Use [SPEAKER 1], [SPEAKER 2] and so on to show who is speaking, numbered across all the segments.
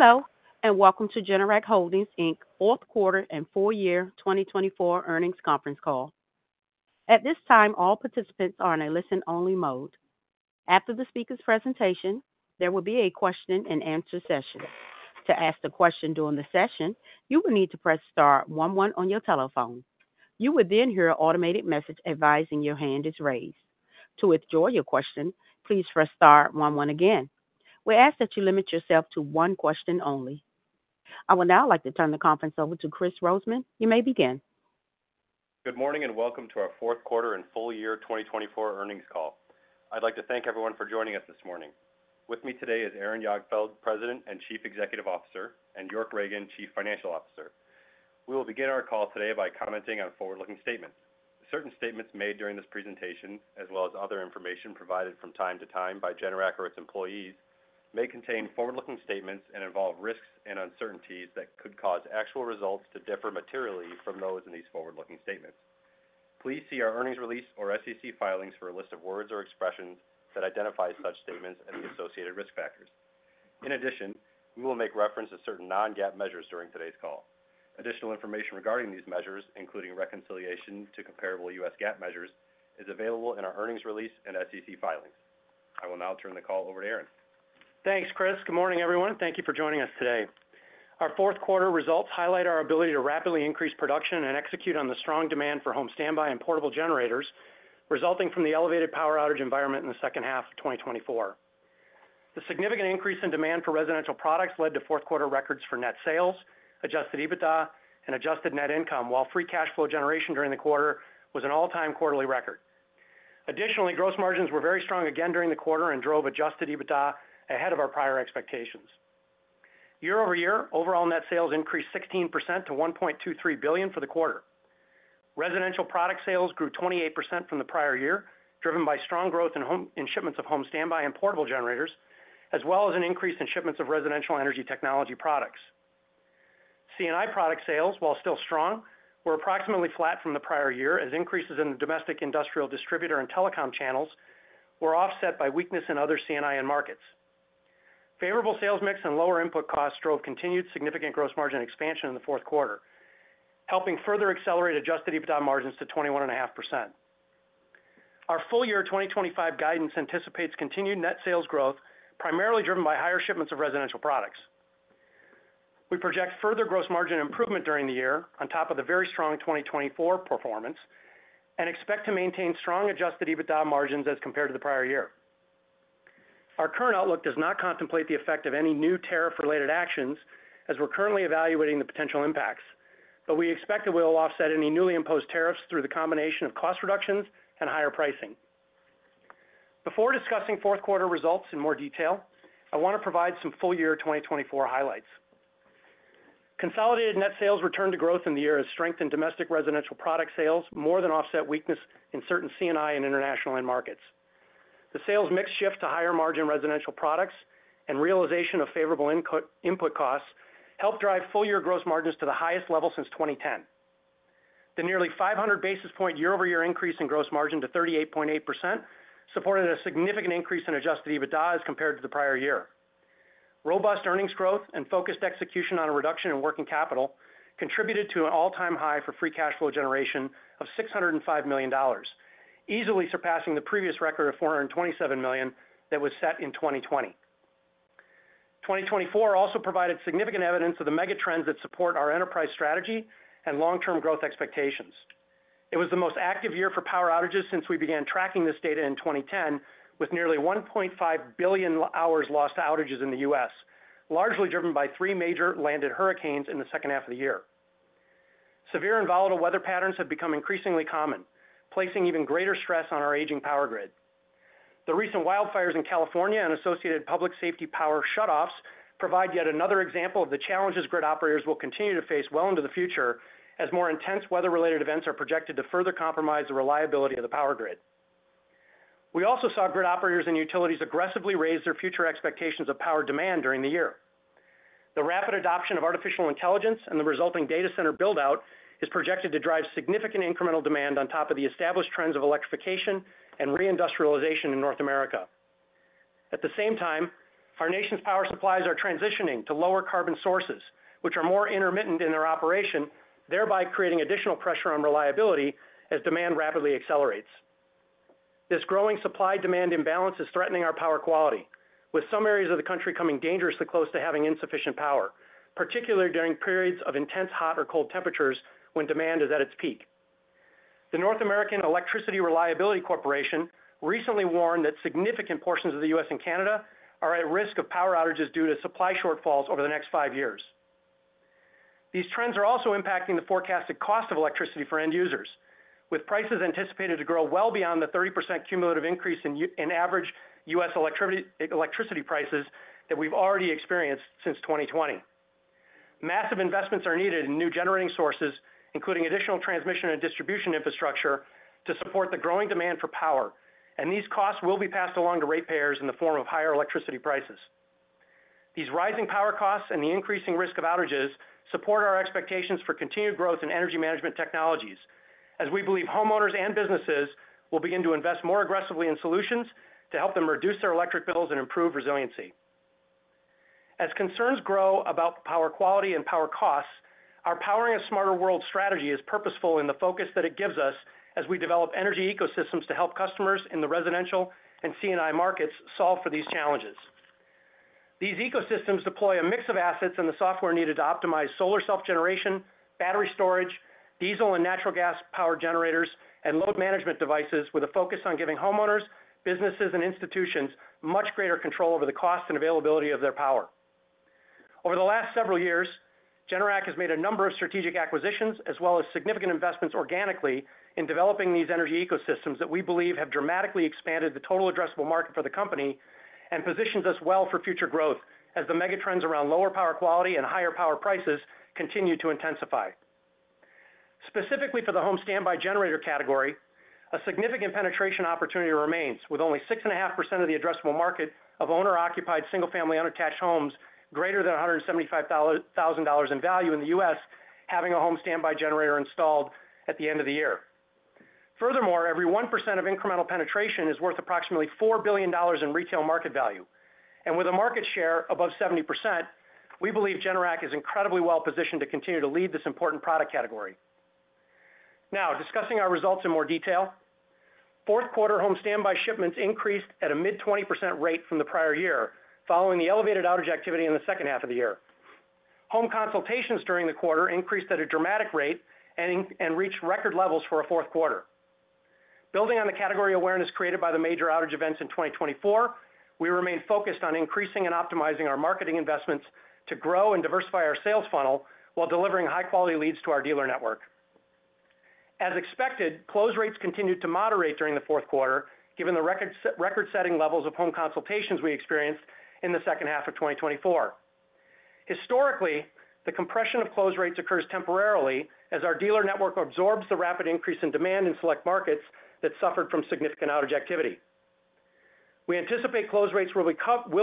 [SPEAKER 1] Hello, and welcome to Generac Holdings Inc. Fourth Quarter and Full Year 2024 Earnings Conference Call. At this time, all participants are in a listen-only mode. After the speaker's presentation, there will be a question-and-answer session. To ask a question during the session, you will need to press star one one on your telephone. You will then hear an automated message advising your hand is raised. To withdraw your question, please press star one one again. We ask that you limit yourself to one question only. I would now like to turn the conference over to Kris Rosemann. You may begin.
[SPEAKER 2] Good morning and welcome to our Fourth Quarter and Full Year 2024 Earnings Call. I'd like to thank everyone for joining us this morning. With me today is Aaron Jagdfeld, President and Chief Executive Officer, and York Ragen, Chief Financial Officer. We will begin our call today by commenting on forward-looking statements. Certain statements made during this presentation, as well as other information provided from time to time by Generac or its employees, may contain forward-looking statements and involve risks and uncertainties that could cause actual results to differ materially from those in these forward-looking statements. Please see our earnings release or SEC filings for a list of words or expressions that identify such statements and the associated risk factors. In addition, we will make reference to certain non-GAAP measures during today's call. Additional information regarding these measures, including reconciliation to comparable U.S. GAAP measures, is available in our earnings release and SEC filings. I will now turn the call over to Aaron.
[SPEAKER 3] Thanks, Kris. Good morning, everyone. Thank you for joining us today. Our fourth quarter results highlight our ability to rapidly increase production and execute on the strong demand for home standby and portable generators, resulting from the elevated power outage environment in the second half of 2024. The significant increase in demand for residential products led to fourth quarter records for net sales, Adjusted EBITDA, and Adjusted Net Income, while free cash flow generation during the quarter was an all-time quarterly record. Additionally, gross margins were very strong again during the quarter and drove Adjusted EBITDA ahead of our prior expectations. Year-over-year, overall net sales increased 16% to $1.23 billion for the quarter. Residential product sales grew 28% from the prior year, driven by strong growth in shipments of home standby and portable generators, as well as an increase in shipments of residential energy technology products. C&I product sales, while still strong, were approximately flat from the prior year, as increases in the domestic industrial distributor and telecom channels were offset by weakness in other C&I markets. Favorable sales mix and lower input costs drove continued significant gross margin expansion in the fourth quarter, helping further accelerate Adjusted EBITDA margins to 21.5%. Our full year 2025 guidance anticipates continued net sales growth, primarily driven by higher shipments of residential products. We project further gross margin improvement during the year on top of the very strong 2024 performance and expect to maintain strong Adjusted EBITDA margins as compared to the prior year. Our current outlook does not contemplate the effect of any new tariff-related actions, as we're currently evaluating the potential impacts, but we expect it will offset any newly imposed tariffs through the combination of cost reductions and higher pricing. Before discussing fourth quarter results in more detail, I want to provide some full year 2024 highlights. Consolidated net sales returned to growth in the year as strength in domestic residential product sales more than offset weakness in certain C&I and international markets. The sales mix shift to higher margin residential products and realization of favorable input costs helped drive full year gross margins to the highest level since 2010. The nearly 500 basis points year-over-year increase in gross margin to 38.8% supported a significant increase in Adjusted EBITDA as compared to the prior year. Robust earnings growth and focused execution on a reduction in working capital contributed to an all-time high for free cash flow generation of $605 million, easily surpassing the previous record of $427 million that was set in 2020. 2024 also provided significant evidence of the megatrends that support our enterprise strategy and long-term growth expectations. It was the most active year for power outages since we began tracking this data in 2010, with nearly 1.5 billion hours lost to outages in the U.S., largely driven by three major landed hurricanes in the second half of the year. Severe and volatile weather patterns have become increasingly common, placing even greater stress on our aging power grid. The recent wildfires in California and associated Public Safety Power Shutoffs provide yet another example of the challenges grid operators will continue to face well into the future, as more intense weather-related events are projected to further compromise the reliability of the power grid. We also saw grid operators and utilities aggressively raise their future expectations of power demand during the year. The rapid adoption of artificial intelligence and the resulting data center buildout is projected to drive significant incremental demand on top of the established trends of electrification and reindustrialization in North America. At the same time, our nation's power supplies are transitioning to lower carbon sources, which are more intermittent in their operation, thereby creating additional pressure on reliability as demand rapidly accelerates. This growing supply-demand imbalance is threatening our power quality, with some areas of the country coming dangerously close to having insufficient power, particularly during periods of intense hot or cold temperatures when demand is at its peak. The North American Electric Reliability Corporation recently warned that significant portions of the U.S. and Canada are at risk of power outages due to supply shortfalls over the next five years. These trends are also impacting the forecasted cost of electricity for end users, with prices anticipated to grow well beyond the 30% cumulative increase in average U.S. electricity prices that we've already experienced since 2020. Massive investments are needed in new generating sources, including additional transmission and distribution infrastructure, to support the growing demand for power, and these costs will be passed along to ratepayers in the form of higher electricity prices. These rising power costs and the increasing risk of outages support our expectations for continued growth in energy management technologies, as we believe homeowners and businesses will begin to invest more aggressively in solutions to help them reduce their electric bills and improve resiliency. As concerns grow about power quality and power costs, our Powering a Smarter World strategy is purposeful in the focus that it gives us as we develop energy ecosystems to help customers in the residential and C&I markets solve for these challenges. These ecosystems deploy a mix of assets and the software needed to optimize solar self-generation, battery storage, diesel and natural gas power generators, and load management devices, with a focus on giving homeowners, businesses, and institutions much greater control over the cost and availability of their power. Over the last several years, Generac has made a number of strategic acquisitions, as well as significant investments organically in developing these energy ecosystems that we believe have dramatically expanded the total addressable market for the company and positions us well for future growth as the megatrends around lower power quality and higher power prices continue to intensify. Specifically for the home standby generator category, a significant penetration opportunity remains, with only 6.5% of the addressable market of owner-occupied single-family unattached homes greater than $175,000 in value in the U.S. having a home standby generator installed at the end of the year. Furthermore, every 1% of incremental penetration is worth approximately $4 billion in retail market value, and with a market share above 70%, we believe Generac is incredibly well positioned to continue to lead this important product category. Now, discussing our results in more detail, fourth quarter home standby shipments increased at a mid-20% rate from the prior year, following the elevated outage activity in the second half of the year. Home consultations during the quarter increased at a dramatic rate and reached record levels for a fourth quarter. Building on the category awareness created by the major outage events in 2024, we remain focused on increasing and optimizing our marketing investments to grow and diversify our sales funnel while delivering high-quality leads to our dealer network. As expected, close rates continued to moderate during the fourth quarter, given the record-setting levels of home consultations we experienced in the second half of 2024. Historically, the compression of close rates occurs temporarily as our dealer network absorbs the rapid increase in demand in select markets that suffered from significant outage activity. We anticipate close rates will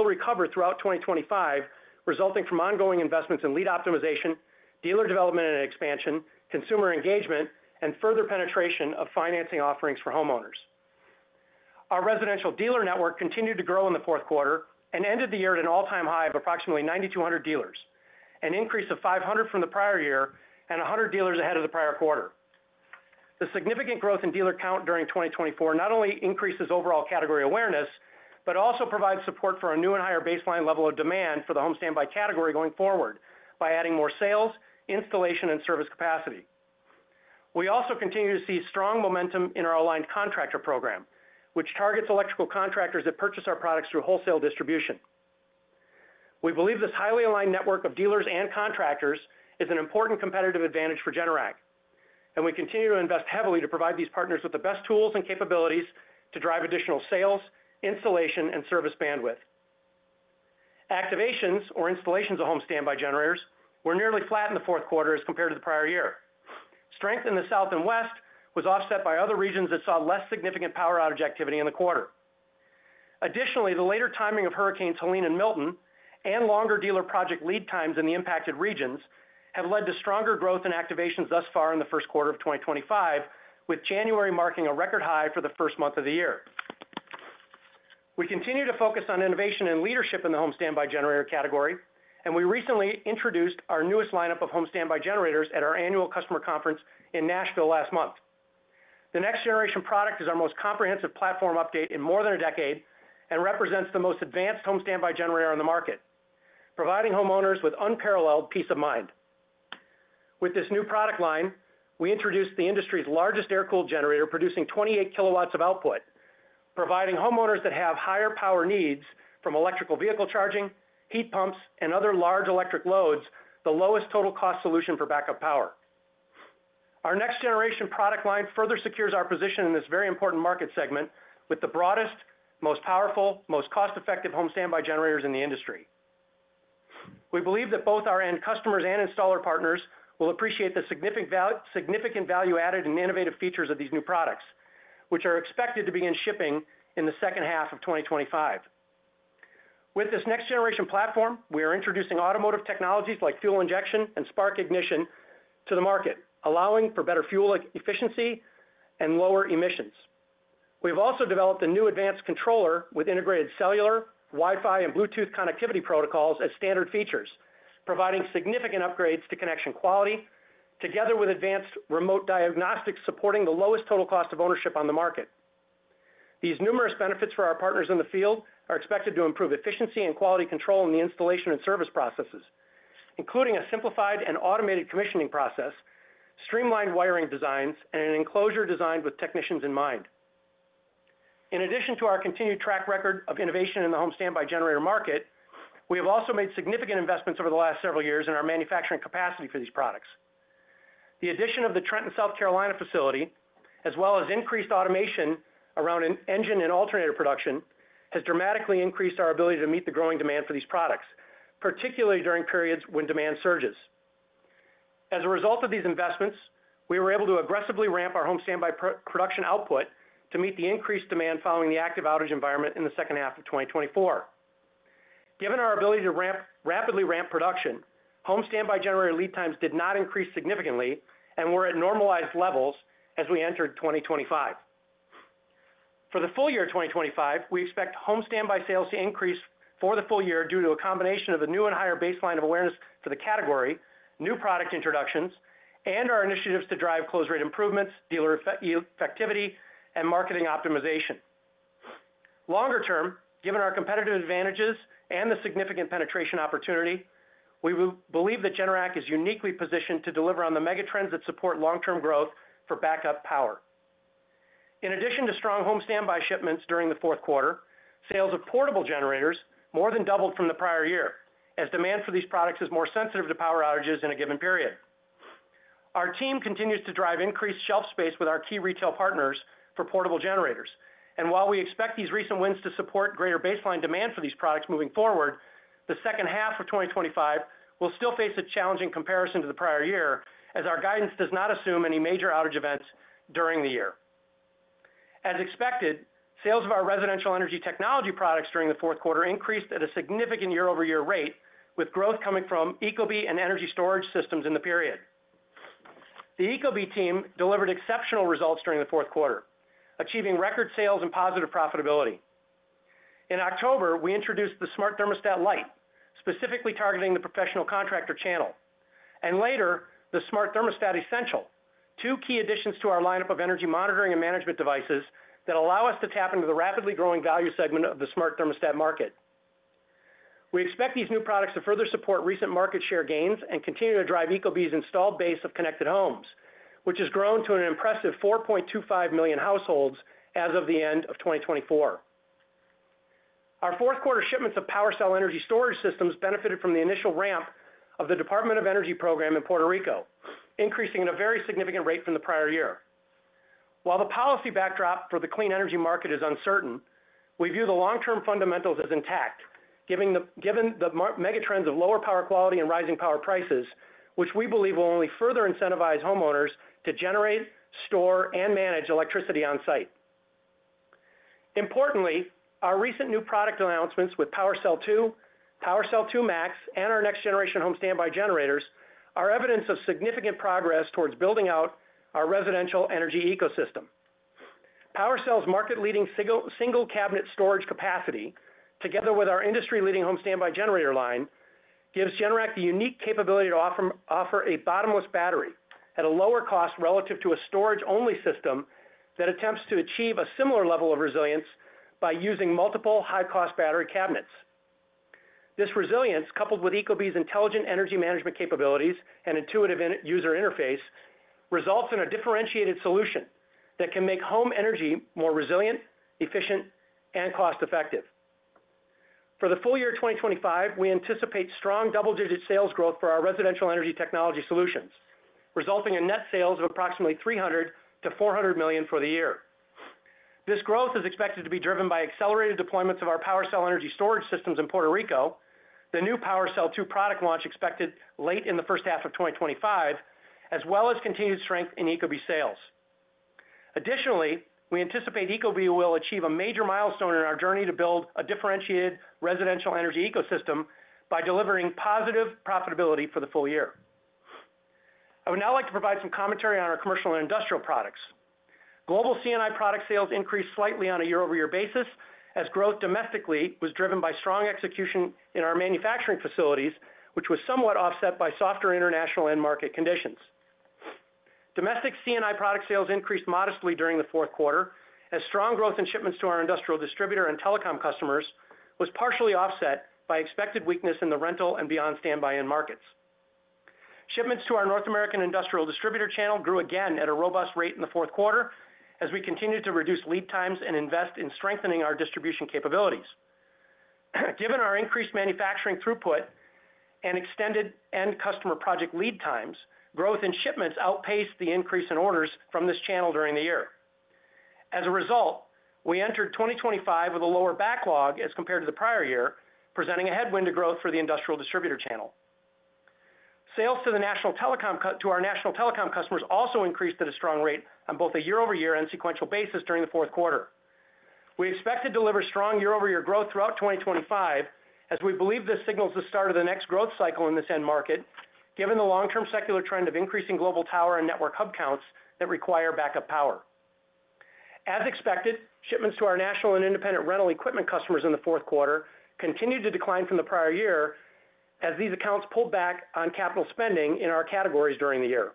[SPEAKER 3] recover throughout 2025, resulting from ongoing investments in lead optimization, dealer development and expansion, consumer engagement, and further penetration of financing offerings for homeowners. Our residential dealer network continued to grow in the fourth quarter and ended the year at an all-time high of approximately 9,200 dealers, an increase of 500 from the prior year and 100 dealers ahead of the prior quarter. The significant growth in dealer count during 2024 not only increases overall category awareness, but also provides support for a new and higher baseline level of demand for the home standby category going forward by adding more sales, installation, and service capacity. We also continue to see strong momentum in our aligned contractor program, which targets electrical contractors that purchase our products through wholesale distribution. We believe this highly aligned network of dealers and contractors is an important competitive advantage for Generac, and we continue to invest heavily to provide these partners with the best tools and capabilities to drive additional sales, installation, and service bandwidth. Activations, or installations of home standby generators, were nearly flat in the fourth quarter as compared to the prior year. Strength in the South and West was offset by other regions that saw less significant power outage activity in the quarter. Additionally, the later timing of Hurricanes Helene and Milton and longer dealer project lead times in the impacted regions have led to stronger growth in activations thus far in the first quarter of 2025, with January marking a record high for the first month of the year. We continue to focus on innovation and leadership in the home standby generator category, and we recently introduced our newest lineup of home standby generators at our annual customer conference in Nashville last month. The next generation product is our most comprehensive platform update in more than a decade and represents the most advanced home standby generator on the market, providing homeowners with unparalleled peace of mind. With this new product line, we introduced the industry's largest air-cooled generator, producing 28 kW of output, providing homeowners that have higher power needs from electric vehicle charging, heat pumps, and other large electric loads the lowest total cost solution for backup power. Our next generation product line further secures our position in this very important market segment with the broadest, most powerful, most cost-effective home standby generators in the industry. We believe that both our end customers and installer partners will appreciate the significant value added in the innovative features of these new products, which are expected to begin shipping in the second half of 2025. With this next generation platform, we are introducing automotive technologies like fuel injection and spark ignition to the market, allowing for better fuel efficiency and lower emissions. We have also developed a new advanced controller with integrated cellular, Wi-Fi, and Bluetooth connectivity protocols as standard features, providing significant upgrades to connection quality, together with advanced remote diagnostics supporting the lowest total cost of ownership on the market. These numerous benefits for our partners in the field are expected to improve efficiency and quality control in the installation and service processes, including a simplified and automated commissioning process, streamlined wiring designs, and an enclosure designed with technicians in mind. In addition to our continued track record of innovation in the home standby generator market, we have also made significant investments over the last several years in our manufacturing capacity for these products. The addition of the Trenton, South Carolina facility, as well as increased automation around engine and alternator production, has dramatically increased our ability to meet the growing demand for these products, particularly during periods when demand surges. As a result of these investments, we were able to aggressively ramp our home standby production output to meet the increased demand following the active outage environment in the second half of 2024. Given our ability to rapidly ramp production, home standby generator lead times did not increase significantly and were at normalized levels as we entered 2025. For the full year 2025, we expect home standby sales to increase for the full year due to a combination of a new and higher baseline of awareness for the category, new product introductions, and our initiatives to drive close rate improvements, dealer effectivity, and marketing optimization. Longer term, given our competitive advantages and the significant penetration opportunity, we believe that Generac is uniquely positioned to deliver on the megatrends that support long-term growth for backup power. In addition to strong home standby shipments during the fourth quarter, sales of portable generators more than doubled from the prior year, as demand for these products is more sensitive to power outages in a given period. Our team continues to drive increased shelf space with our key retail partners for portable generators, and while we expect these recent wins to support greater baseline demand for these products moving forward, the second half of 2025 will still face a challenging comparison to the prior year, as our guidance does not assume any major outage events during the year. As expected, sales of our residential energy technology products during the fourth quarter increased at a significant year-over-year rate, with growth coming from ecobee and energy storage systems in the period. The ecobee team delivered exceptional results during the fourth quarter, achieving record sales and positive profitability. In October, we introduced the Smart Thermostat Lite, specifically targeting the professional contractor channel, and later the Smart Thermostat Essential, two key additions to our lineup of energy monitoring and management devices that allow us to tap into the rapidly growing value segment of the smart thermostat market. We expect these new products to further support recent market share gains and continue to drive ecobee's installed base of connected homes, which has grown to an impressive 4.25 million households as of the end of 2024. Our fourth quarter shipments of PWRcell energy storage systems benefited from the initial ramp of the Department of Energy program in Puerto Rico, increasing at a very significant rate from the prior year. While the policy backdrop for the clean energy market is uncertain, we view the long-term fundamentals as intact, given the megatrends of lower power quality and rising power prices, which we believe will only further incentivize homeowners to generate, store, and manage electricity on site. Importantly, our recent new product announcements with PWRcell 2, PWRcell 2 MAX, and our next generation home standby generators are evidence of significant progress towards building out our residential energy ecosystem. PWRcell's market-leading single cabinet storage capacity, together with our industry-leading home standby generator line, gives Generac the unique capability to offer a bottomless battery at a lower cost relative to a storage-only system that attempts to achieve a similar level of resilience by using multiple high-cost battery cabinets. This resilience, coupled with ecobee's intelligent energy management capabilities and intuitive user interface, results in a differentiated solution that can make home energy more resilient, efficient, and cost-effective. For the full year 2025, we anticipate strong double-digit sales growth for our residential energy technology solutions, resulting in net sales of approximately $300 million-$400 million for the year. This growth is expected to be driven by accelerated deployments of our PWRcell energy storage systems in Puerto Rico, the new PWRcell 2 product launch expected late in the first half of 2025, as well as continued strength in ecobee sales. Additionally, we anticipate ecobee will achieve a major milestone in our journey to build a differentiated residential energy ecosystem by delivering positive profitability for the full year. I would now like to provide some commentary on our commercial and industrial products. Global C&I product sales increased slightly on a year-over-year basis, as growth domestically was driven by strong execution in our manufacturing facilities, which was somewhat offset by softer international and market conditions. Domestic C&I product sales increased modestly during the fourth quarter, as strong growth in shipments to our industrial distributor and telecom customers was partially offset by expected weakness in the rental and beyond standby end markets. Shipments to our North American industrial distributor channel grew again at a robust rate in the fourth quarter, as we continued to reduce lead times and invest in strengthening our distribution capabilities. Given our increased manufacturing throughput and extended end customer project lead times, growth in shipments outpaced the increase in orders from this channel during the year. As a result, we entered 2025 with a lower backlog as compared to the prior year, presenting a headwind to growth for the industrial distributor channel. Sales to our national telecom customers also increased at a strong rate on both a year-over-year and sequential basis during the fourth quarter. We expect to deliver strong year-over-year growth throughout 2025, as we believe this signals the start of the next growth cycle in this end market, given the long-term secular trend of increasing global tower and network hub counts that require backup power. As expected, shipments to our national and independent rental equipment customers in the fourth quarter continued to decline from the prior year, as these accounts pulled back on capital spending in our categories during the year.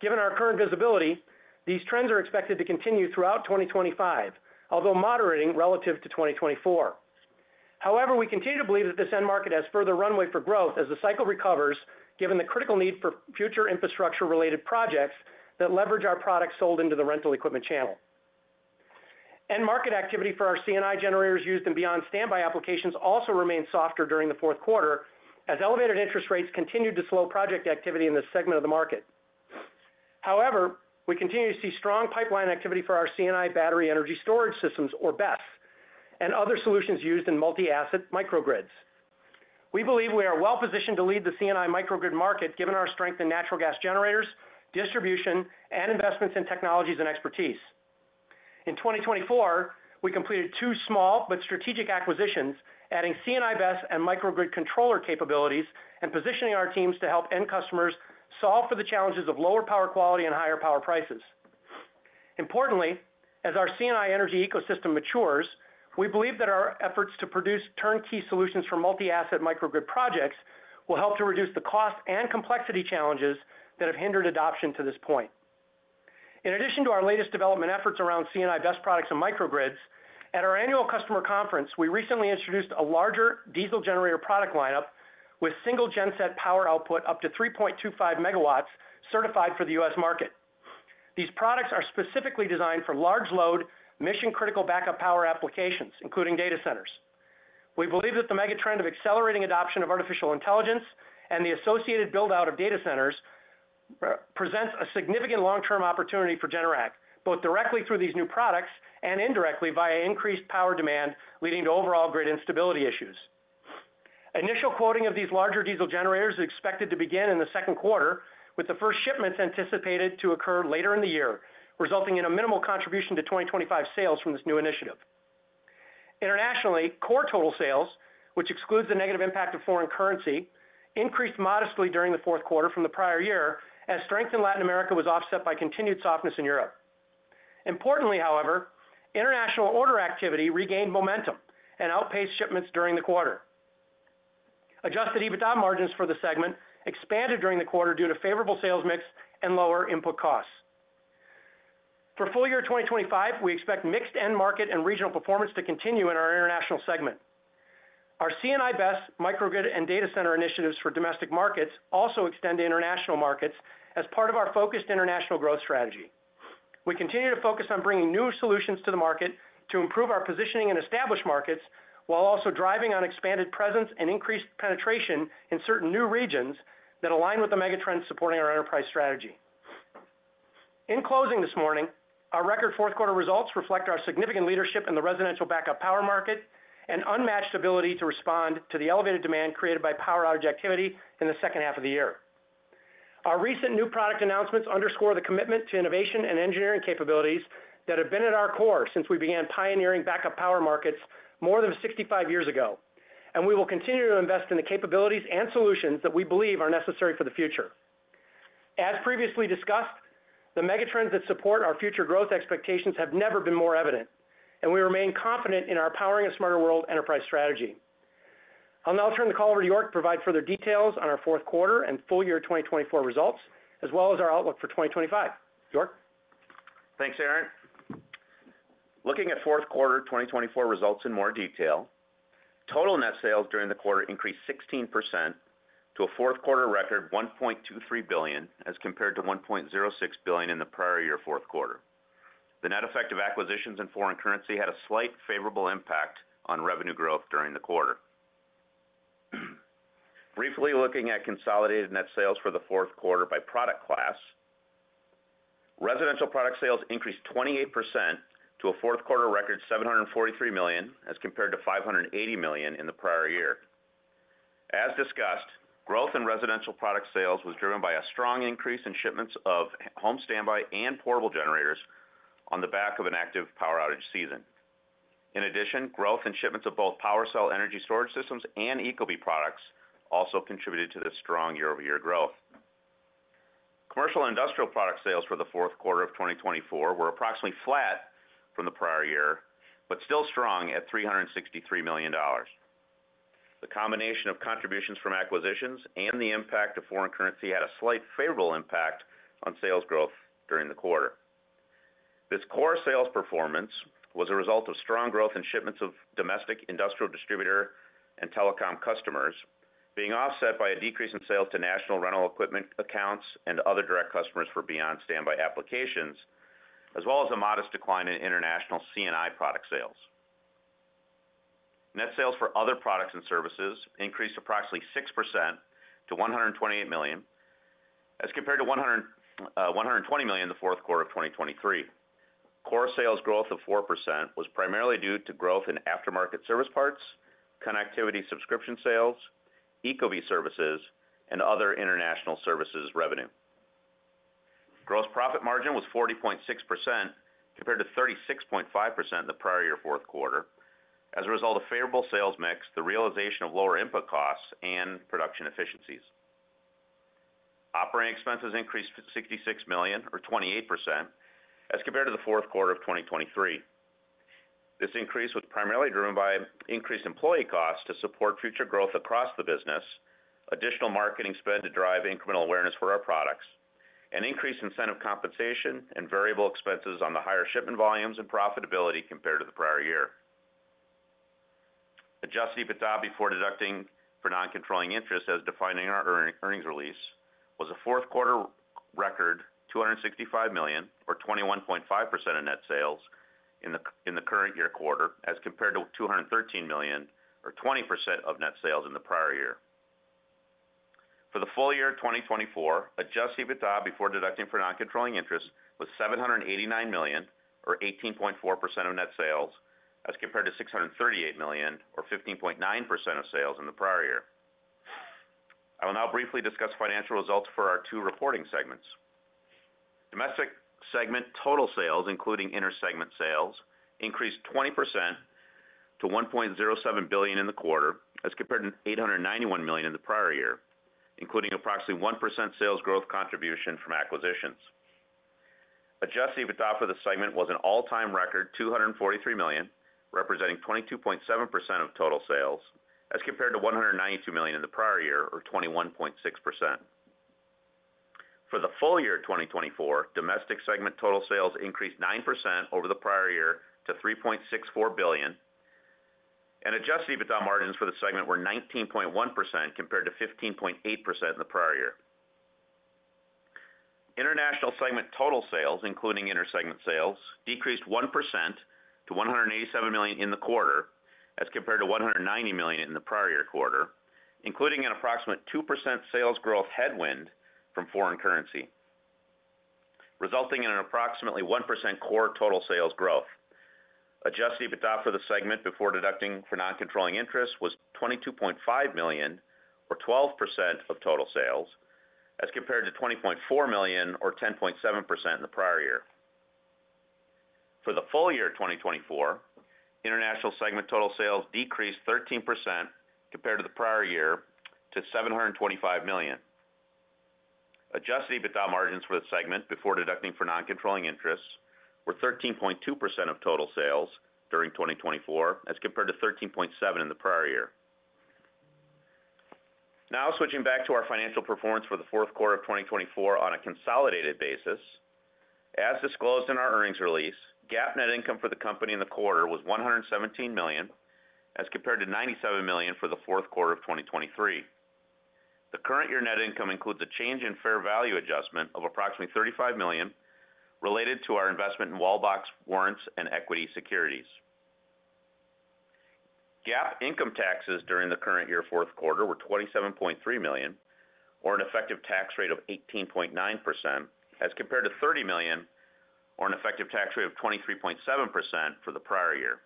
[SPEAKER 3] Given our current visibility, these trends are expected to continue throughout 2025, although moderating relative to 2024. However, we continue to believe that this end market has further runway for growth as the cycle recovers, given the critical need for future infrastructure-related projects that leverage our products sold into the rental equipment channel. End market activity for our C&I generators used in beyond standby applications also remained softer during the fourth quarter, as elevated interest rates continued to slow project activity in this segment of the market. However, we continue to see strong pipeline activity for our C&I Battery Energy Storage Systems, or BESS, and other solutions used in multi-asset microgrids. We believe we are well positioned to lead the C&I microgrid market, given our strength in natural gas generators, distribution, and investments in technologies and expertise. In 2024, we completed two small but strategic acquisitions, adding C&I BESS and microgrid controller capabilities and positioning our teams to help end customers solve for the challenges of lower power quality and higher power prices. Importantly, as our C&I energy ecosystem matures, we believe that our efforts to produce turnkey solutions for multi-asset microgrid projects will help to reduce the cost and complexity challenges that have hindered adoption to this point. In addition to our latest development efforts around C&I BESS products and microgrids, at our annual customer conference, we recently introduced a larger diesel generator product lineup with single genset power output up to 3.25 MW certified for the U.S. market. These products are specifically designed for large load, mission-critical backup power applications, including data centers. We believe that the mega trend of accelerating adoption of artificial intelligence and the associated buildout of data centers presents a significant long-term opportunity for Generac, both directly through these new products and indirectly via increased power demand leading to overall grid instability issues. Initial quoting of these larger diesel generators is expected to begin in the second quarter, with the first shipments anticipated to occur later in the year, resulting in a minimal contribution to 2025 sales from this new initiative. Internationally, core total sales, which excludes the negative impact of foreign currency, increased modestly during the fourth quarter from the prior year, as strength in Latin America was offset by continued softness in Europe. Importantly, however, international order activity regained momentum and outpaced shipments during the quarter. Adjusted EBITDA margins for the segment expanded during the quarter due to favorable sales mix and lower input costs. For full year 2025, we expect mixed end market and regional performance to continue in our international segment. Our C&I BESS microgrid and data center initiatives for domestic markets also extend to international markets as part of our focused international growth strategy. We continue to focus on bringing new solutions to the market to improve our positioning in established markets, while also driving an expanded presence and increased penetration in certain new regions that align with the megatrends supporting our enterprise strategy. In closing this morning, our record fourth quarter results reflect our significant leadership in the residential backup power market and unmatched ability to respond to the elevated demand created by power outage activity in the second half of the year. Our recent new product announcements underscore the commitment to innovation and engineering capabilities that have been at our core since we began pioneering backup power markets more than 65 years ago, and we will continue to invest in the capabilities and solutions that we believe are necessary for the future. As previously discussed, the megatrends that support our future growth expectations have never been more evident, and we remain confident in our Powering a Smarter World enterprise strategy. I'll now turn the call over to York to provide further details on our fourth quarter and full year 2024 results, as well as our outlook for 2025. York?
[SPEAKER 4] Thanks, Aaron. Looking at fourth quarter 2024 results in more detail, total net sales during the quarter increased 16% to a fourth quarter record of $1.23 billion as compared to $1.06 billion in the prior year fourth quarter. The net effect of acquisitions in foreign currency had a slight favorable impact on revenue growth during the quarter. Briefly looking at consolidated net sales for the fourth quarter by product class, residential product sales increased 28% to a fourth quarter record of $743 million as compared to $580 million in the prior year. As discussed, growth in residential product sales was driven by a strong increase in shipments of home standby and portable generators on the back of an active power outage season. In addition, growth in shipments of both PWRcell energy storage systems and ecobee products also contributed to this strong year-over-year growth. Commercial and industrial product sales for the fourth quarter of 2024 were approximately flat from the prior year, but still strong at $363 million. The combination of contributions from acquisitions and the impact of foreign currency had a slight favorable impact on sales growth during the quarter. This core sales performance was a result of strong growth in shipments of domestic industrial distributor and telecom customers, being offset by a decrease in sales to national rental equipment accounts and other direct customers for beyond standby applications, as well as a modest decline in international C&I product sales. Net sales for other products and services increased approximately 6% to $128 million as compared to $120 million in the fourth quarter of 2023. Core sales growth of 4% was primarily due to growth in aftermarket service parts, connectivity subscription sales, ecobee services, and other international services revenue. Gross profit margin was 40.6% compared to 36.5% in the prior year fourth quarter, as a result of favorable sales mix, the realization of lower input costs, and production efficiencies. Operating expenses increased $66 million, or 28%, as compared to the fourth quarter of 2023. This increase was primarily driven by increased employee costs to support future growth across the business, additional marketing spend to drive incremental awareness for our products, and increased incentive compensation and variable expenses on the higher shipment volumes and profitability compared to the prior year. Adjusted EBITDA before deducting for non-controlling interest as defined in our earnings release was a fourth quarter record $265 million, or 21.5% of net sales in the current year quarter, as compared to $213 million, or 20% of net sales in the prior year. For the full year 2024, Adjusted EBITDA before deducting for non-controlling interest was $789 million, or 18.4% of net sales, as compared to $638 million, or 15.9% of sales in the prior year. I will now briefly discuss financial results for our two reporting segments. Domestic segment total sales, including inter-segment sales, increased 20% to $1.07 billion in the quarter, as compared to $891 million in the prior year, including approximately 1% sales growth contribution from acquisitions. Adjusted EBITDA for the segment was an all-time record $243 million, representing 22.7% of total sales, as compared to $192 million in the prior year, or 21.6%. For the full year 2024, domestic segment total sales increased 9% over the prior year to $3.64 billion, and Adjusted EBITDA margins for the segment were 19.1% compared to 15.8% in the prior year. International segment total sales, including inter-segment sales, decreased 1% to $187 million in the quarter, as compared to $190 million in the prior year quarter, including an approximate 2% sales growth headwind from foreign currency, resulting in an approximately 1% core total sales growth. Adjusted EBITDA for the segment before deducting for non-controlling interest was $22.5 million, or 12% of total sales, as compared to $20.4 million, or 10.7% in the prior year. For the full year 2024, international segment total sales decreased 13% compared to the prior year to $725 million. Adjusted EBITDA margins for the segment before deducting for non-controlling interest were 13.2% of total sales during 2024, as compared to 13.7% in the prior year. Now switching back to our financial performance for the fourth quarter of 2024 on a consolidated basis. As disclosed in our earnings release, GAAP net income for the company in the quarter was $117 million, as compared to $97 million for the fourth quarter of 2023. The current year net income includes a change in fair value adjustment of approximately $35 million related to our investment in Wallbox warrants and equity securities. GAAP income taxes during the current year fourth quarter were $27.3 million, or an effective tax rate of 18.9%, as compared to $30 million, or an effective tax rate of 23.7% for the prior year.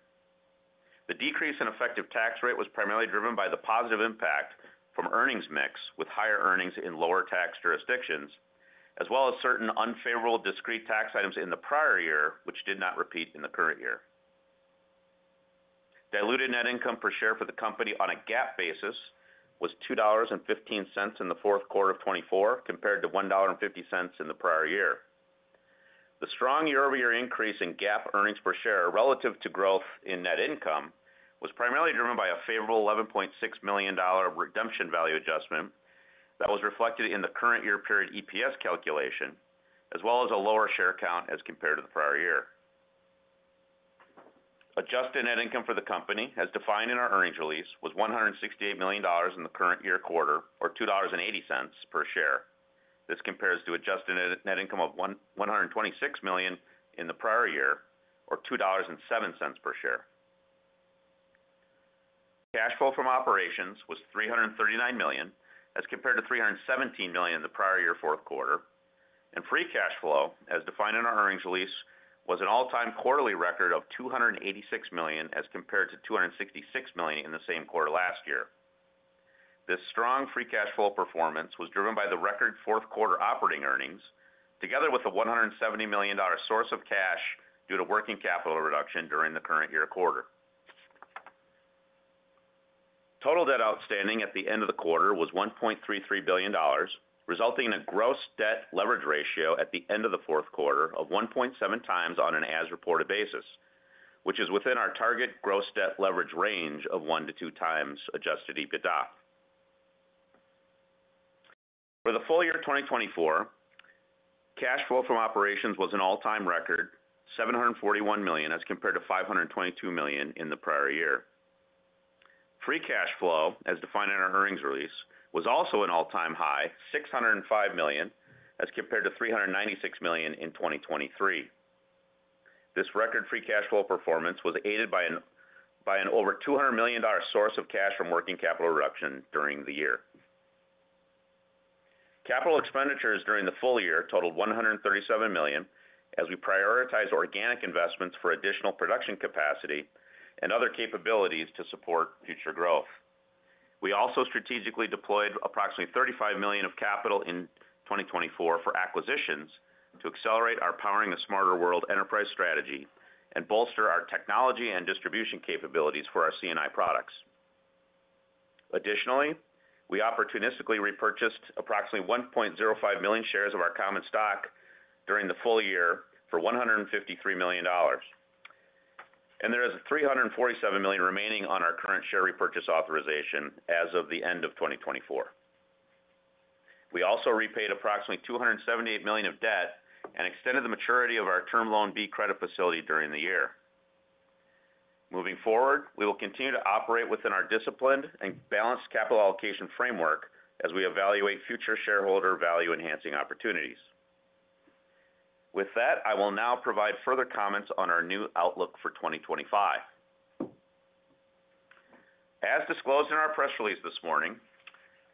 [SPEAKER 4] The decrease in effective tax rate was primarily driven by the positive impact from earnings mix with higher earnings in lower tax jurisdictions, as well as certain unfavorable discrete tax items in the prior year, which did not repeat in the current year. Diluted net income per share for the company on a GAAP basis was $2.15 in the fourth quarter of 2024, compared to $1.50 in the prior year. The strong year-over-year increase in GAAP earnings per share relative to growth in net income was primarily driven by a favorable $11.6 million redemption value adjustment that was reflected in the current year period EPS calculation, as well as a lower share count as compared to the prior year. Adjusted net income for the company, as defined in our earnings release, was $168 million in the current year quarter, or $2.80 per share. This compares to adjusted net income of $126 million in the prior year, or $2.07 per share. Cash flow from operations was $339 million, as compared to $317 million in the prior year fourth quarter, and free cash flow, as defined in our earnings release, was an all-time quarterly record of $286 million, as compared to $266 million in the same quarter last year. This strong free cash flow performance was driven by the record fourth quarter operating earnings, together with a $170 million source of cash due to working capital reduction during the current year quarter. Total debt outstanding at the end of the quarter was $1.33 billion, resulting in a gross debt leverage ratio at the end of the fourth quarter of 1.7 times on an as-reported basis, which is within our target gross debt leverage range of 1-2 times Adjusted EBITDA. For the full year 2024, cash flow from operations was an all-time record, $741 million, as compared to $522 million in the prior year. Free cash flow, as defined in our earnings release, was also an all-time high, $605 million, as compared to $396 million in 2023. This record free cash flow performance was aided by an over $200 million source of cash from working capital reduction during the year. Capital expenditures during the full year totaled $137 million, as we prioritized organic investments for additional production capacity and other capabilities to support future growth. We also strategically deployed approximately $35 million of capital in 2024 for acquisitions to accelerate our Powering a Smarter World enterprise strategy and bolster our technology and distribution capabilities for our C&I products. Additionally, we opportunistically repurchased approximately 1.05 million shares of our common stock during the full year for $153 million, and there is $347 million remaining on our current share repurchase authorization as of the end of 2024. We also repaid approximately $278 million of debt and extended the maturity of our Term Loan B credit facility during the year. Moving forward, we will continue to operate within our disciplined and balanced capital allocation framework as we evaluate future shareholder value-enhancing opportunities. With that, I will now provide further comments on our new outlook for 2025. As disclosed in our press release this morning,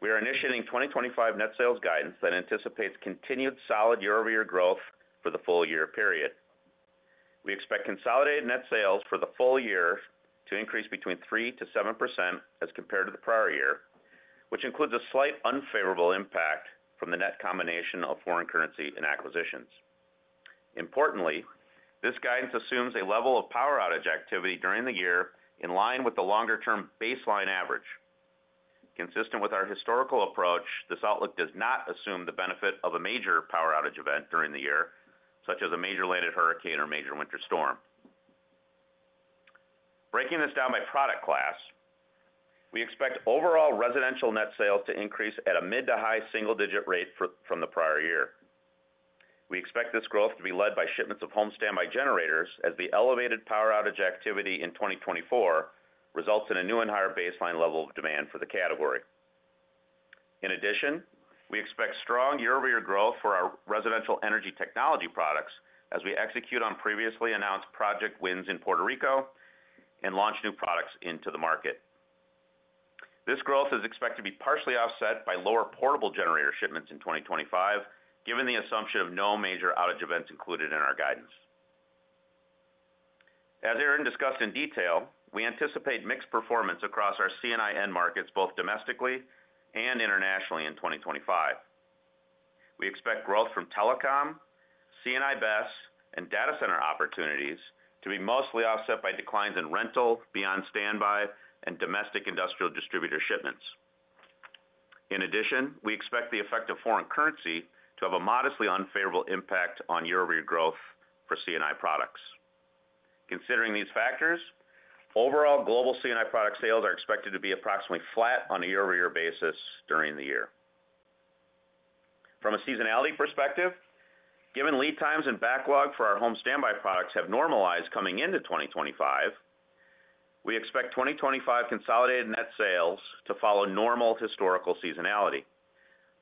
[SPEAKER 4] we are initiating 2025 net sales guidance that anticipates continued solid year-over-year growth for the full year period. We expect consolidated net sales for the full year to increase between 3%-7% as compared to the prior year, which includes a slight unfavorable impact from the net combination of foreign currency and acquisitions. Importantly, this guidance assumes a level of power outage activity during the year in line with the longer-term baseline average. Consistent with our historical approach, this outlook does not assume the benefit of a major power outage event during the year, such as a major landed hurricane or major winter storm. Breaking this down by product class, we expect overall residential net sales to increase at a mid to high single-digit rate from the prior year. We expect this growth to be led by shipments of home standby generators, as the elevated power outage activity in 2024 results in a new and higher baseline level of demand for the category. In addition, we expect strong year-over-year growth for our residential energy technology products as we execute on previously announced project wins in Puerto Rico and launch new products into the market. This growth is expected to be partially offset by lower portable generator shipments in 2025, given the assumption of no major outage events included in our guidance. As Aaron discussed in detail, we anticipate mixed performance across our C&I end markets, both domestically and internationally in 2025. We expect growth from telecom, C&I BESS, and data center opportunities to be mostly offset by declines in rental, beyond standby, and domestic industrial distributor shipments. In addition, we expect the effect of foreign currency to have a modestly unfavorable impact on year-over-year growth for C&I products. Considering these factors, overall global C&I product sales are expected to be approximately flat on a year-over-year basis during the year. From a seasonality perspective, given lead times and backlog for our home standby products have normalized coming into 2025, we expect 2025 consolidated net sales to follow normal historical seasonality,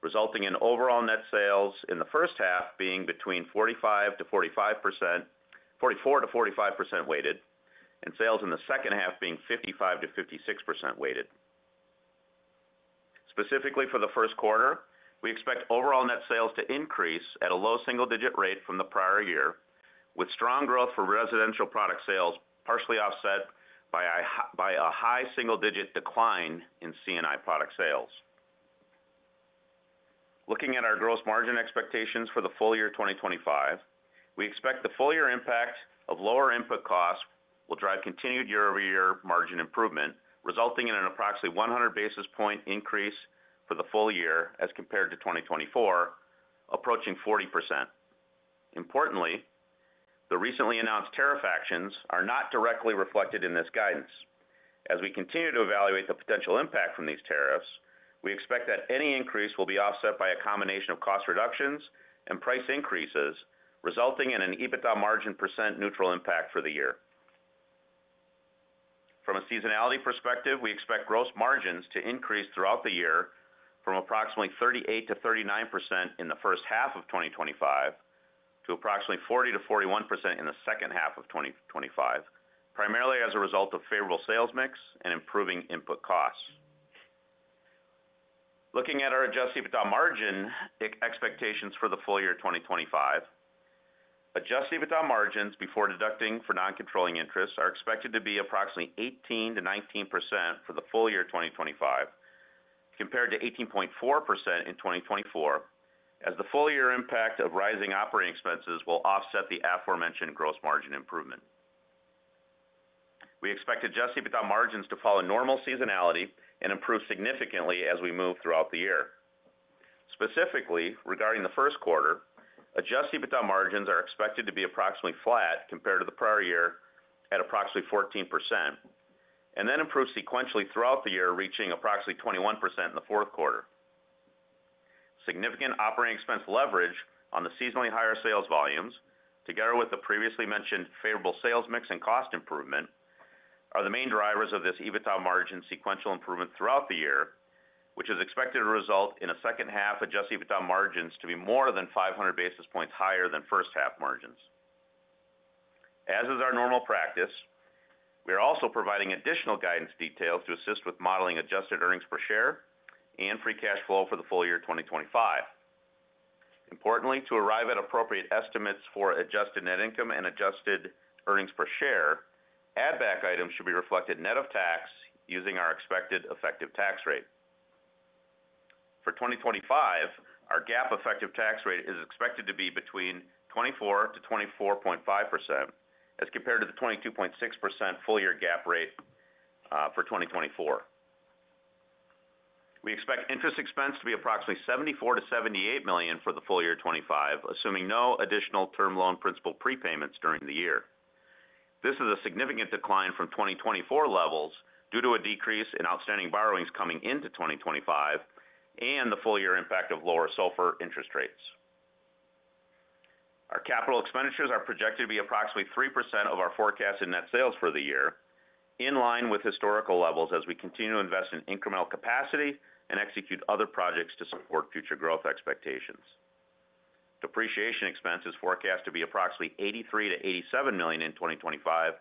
[SPEAKER 4] resulting in overall net sales in the first half being between 44%-45% weighted, and sales in the second half being 55%-56% weighted. Specifically for the first quarter, we expect overall net sales to increase at a low single-digit rate from the prior year, with strong growth for residential product sales partially offset by a high single-digit decline in C&I product sales. Looking at our gross margin expectations for the full year 2025, we expect the full year impact of lower input costs will drive continued year-over-year margin improvement, resulting in an approximately 100 basis point increase for the full year as compared to 2024, approaching 40%. Importantly, the recently announced tariff actions are not directly reflected in this guidance. As we continue to evaluate the potential impact from these tariffs, we expect that any increase will be offset by a combination of cost reductions and price increases, resulting in an EBITDA margin percent neutral impact for the year. From a seasonality perspective, we expect gross margins to increase throughout the year from approximately 38%-39% in the first half of 2025 to approximately 40%-41% in the second half of 2025, primarily as a result of favorable sales mix and improving input costs. Looking at our Adjusted EBITDA margin expectations for the full year 2025, Adjusted EBITDA margins before deducting for non-controlling interest are expected to be approximately 18%-19% for the full year 2025, compared to 18.4% in 2024, as the full year impact of rising operating expenses will offset the aforementioned gross margin improvement. We expect Adjusted EBITDA margins to follow normal seasonality and improve significantly as we move throughout the year. Specifically, regarding the first quarter, Adjusted EBITDA margins are expected to be approximately flat compared to the prior year at approximately 14%, and then improve sequentially throughout the year, reaching approximately 21% in the fourth quarter. Significant operating expense leverage on the seasonally higher sales volumes, together with the previously mentioned favorable sales mix and cost improvement, are the main drivers of this EBITDA margin sequential improvement throughout the year, which is expected to result in a second half Adjusted EBITDA margins to be more than 500 basis points higher than first half margins. As is our normal practice, we are also providing additional guidance details to assist with modeling adjusted earnings per share and free cash flow for the full year 2025. Importantly, to arrive at appropriate estimates for adjusted net income and adjusted earnings per share, add-back items should be reflected net of tax using our expected effective tax rate. For 2025, our GAAP effective tax rate is expected to be between 24%-24.5%, as compared to the 22.6% full year GAAP rate for 2024. We expect interest expense to be approximately $74 million-$78 million for the full year 2025, assuming no additional term loan principal prepayments during the year. This is a significant decline from 2024 levels due to a decrease in outstanding borrowings coming into 2025 and the full year impact of lower SOFR interest rates. Our capital expenditures are projected to be approximately 3% of our forecasted net sales for the year, in line with historical levels as we continue to invest in incremental capacity and execute other projects to support future growth expectations. Depreciation expense is forecast to be approximately $83 million-$87 million in 2025,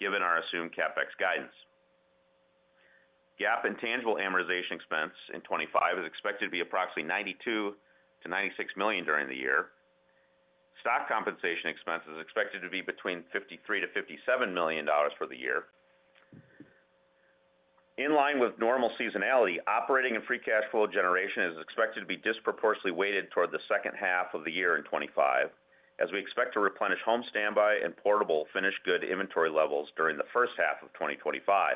[SPEAKER 4] given our assumed CapEx guidance. GAAP and intangible amortization expense in 2025 is expected to be approximately $92 million-$96 million during the year. Stock compensation expense is expected to be between $53 million-$57 million for the year. In line with normal seasonality, operating and free cash flow generation is expected to be disproportionately weighted toward the second half of the year in 2025, as we expect to replenish home standby and portable finished good inventory levels during the first half of 2025.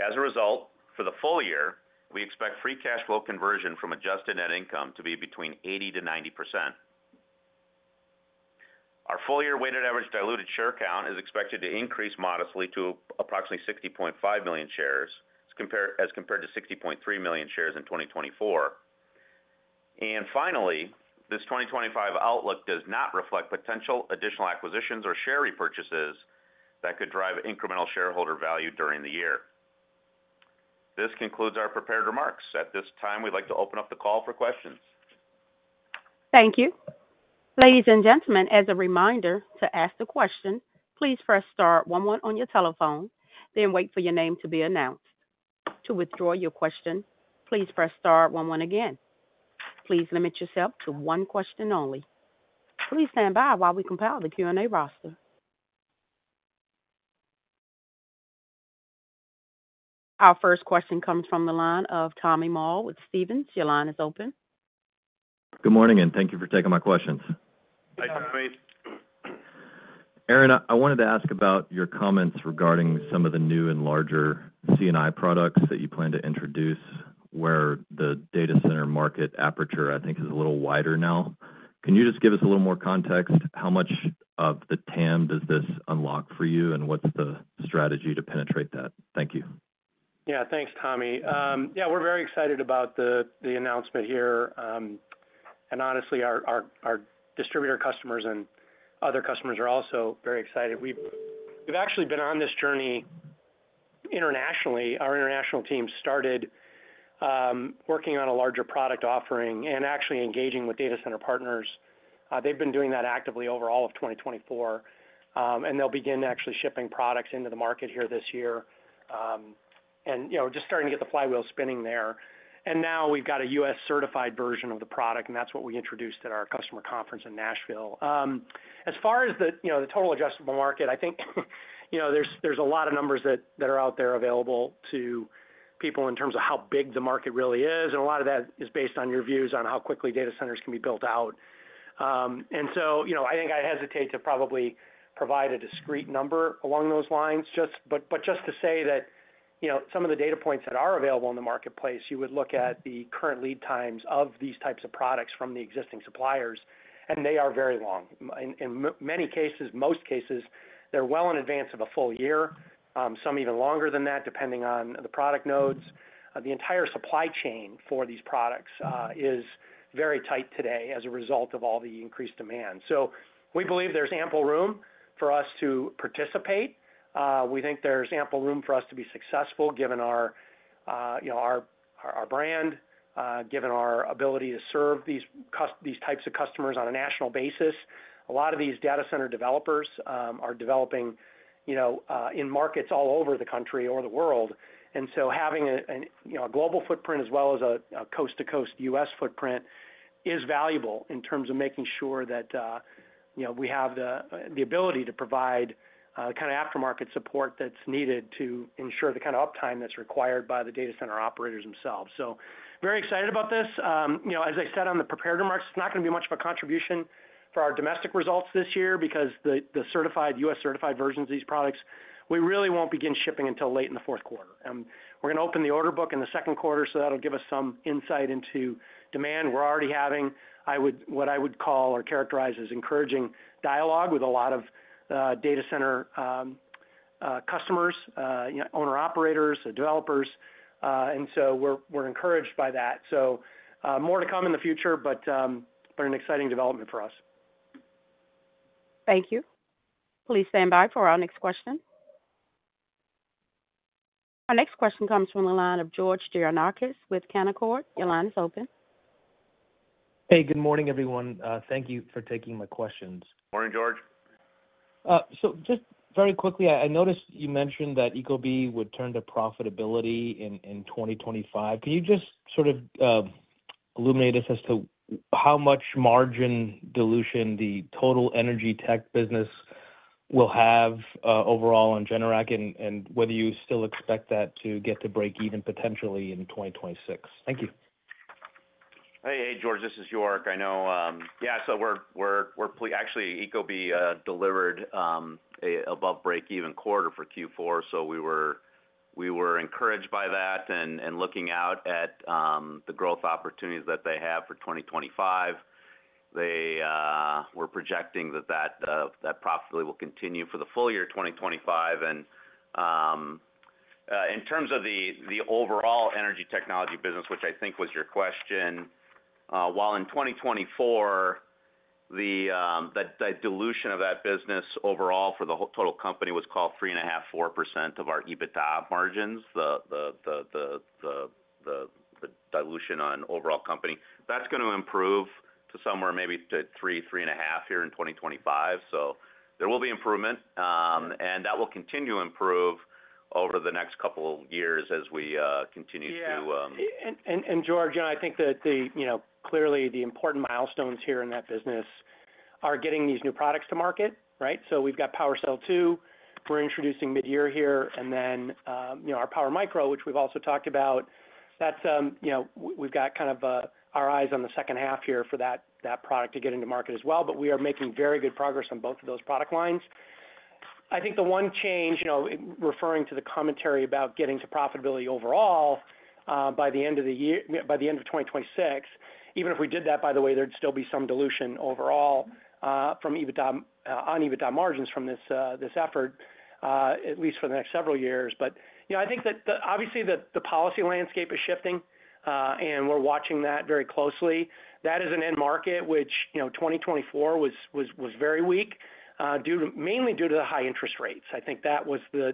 [SPEAKER 4] As a result, for the full year, we expect free cash flow conversion from adjusted net income to be between 80%-90%. Our full year weighted average diluted share count is expected to increase modestly to approximately 60.5 million shares, as compared to 60.3 million shares in 2024. And finally, this 2025 outlook does not reflect potential additional acquisitions or share repurchases that could drive incremental shareholder value during the year. This concludes our prepared remarks. At this time, we'd like to open up the call for questions.
[SPEAKER 1] Thank you. Ladies and gentlemen, as a reminder to ask the question, please press star one one on your telephone, then wait for your name to be announced. To withdraw your question, please press star one one again. Please limit yourself to one question only. Please stand by while we compile the Q&A roster. Our first question comes from the line of Tommy Moll with Stephens. Your line is open.
[SPEAKER 5] Good morning, and thank you for taking my questions.
[SPEAKER 3] Thanks, Tommy.
[SPEAKER 5] Aaron, I wanted to ask about your comments regarding some of the new and larger C&I products that you plan to introduce, where the data center market aperture, I think, is a little wider now. Can you just give us a little more context? How much of the TAM does this unlock for you, and what's the strategy to penetrate that? Thank you.
[SPEAKER 3] Yeah, thanks, Tommy. Yeah, we're very excited about the announcement here, and honestly, our distributor customers and other customers are also very excited. We've actually been on this journey internationally. Our international team started working on a larger product offering and actually engaging with data center partners. They've been doing that actively over all of 2024, and they'll begin actually shipping products into the market here this year, and just starting to get the flywheel spinning there. And now we've got a U.S. certified version of the product, and that's what we introduced at our customer conference in Nashville. As far as the total addressable market, I think there's a lot of numbers that are out there available to people in terms of how big the market really is, and a lot of that is based on your views on how quickly data centers can be built out. And so I think I hesitate to probably provide a discrete number along those lines, but just to say that some of the data points that are available in the marketplace. You would look at the current lead times of these types of products from the existing suppliers, and they are very long. In many cases, most cases, they're well in advance of a full year, some even longer than that, depending on the product nodes. The entire supply chain for these products is very tight today as a result of all the increased demand. So we believe there's ample room for us to participate. We think there's ample room for us to be successful, given our brand, given our ability to serve these types of customers on a national basis. A lot of these data center developers are developing in markets all over the country or the world. Having a global footprint as well as a coast-to-coast U.S. footprint is valuable in terms of making sure that we have the ability to provide the kind of aftermarket support that's needed to ensure the kind of uptime that's required by the data center operators themselves. So very excited about this. As I said on the prepared remarks, it's not going to be much of a contribution for our domestic results this year because the certified U.S. certified versions of these products, we really won't begin shipping until late in the fourth quarter. We're going to open the order book in the second quarter, so that'll give us some insight into demand we're already having, what I would call or characterize as encouraging dialogue with a lot of data center customers, owner-operators, developers. And so we're encouraged by that. So more to come in the future, but an exciting development for us.
[SPEAKER 1] Thank you. Please stand by for our next question. Our next question comes from the line of George Gianarikas with Canaccord Genuity. Your line is open.
[SPEAKER 6] Hey, good morning, everyone. Thank you for taking my questions.
[SPEAKER 3] Morning, George.
[SPEAKER 6] So just very quickly, I noticed you mentioned that ecobee would turn to profitability in 2025. Can you just sort of illuminate us as to how much margin dilution the total energy tech business will have overall on Generac and whether you still expect that to get to break even potentially in 2026? Thank you.
[SPEAKER 4] Hey, hey, George, this is York. I know. Yeah, so we're actually ecobee delivered above break-even quarter for Q4, so we were encouraged by that and looking out at the growth opportunities that they have for 2025. They were projecting that that probably will continue for the full year 2025, and in terms of the overall energy technology business, which I think was your question, while in 2024, the dilution of that business overall for the total company was called 3.5%-4% of our EBITDA margins, the dilution on overall company, that's going to improve to somewhere maybe to 3%-3.5% here in 2025, so there will be improvement, and that will continue to improve over the next couple of years as we continue to.
[SPEAKER 3] Yeah, and George, I think that clearly the important milestones here in that business are getting these new products to market, right? So we've got PWRcell 2. We're introducing mid-year here. And then our PWRmicro, which we've also talked about, we've got kind of our eyes on the second half here for that product to get into market as well. But we are making very good progress on both of those product lines. I think the one change, referring to the commentary about getting to profitability overall by the end of the year, by the end of 2026, even if we did that, by the way, there'd still be some dilution overall on EBITDA margins from this effort, at least for the next several years. But I think that obviously the policy landscape is shifting, and we're watching that very closely. That is an end market, which 2024 was very weak, mainly due to the high interest rates. I think that was the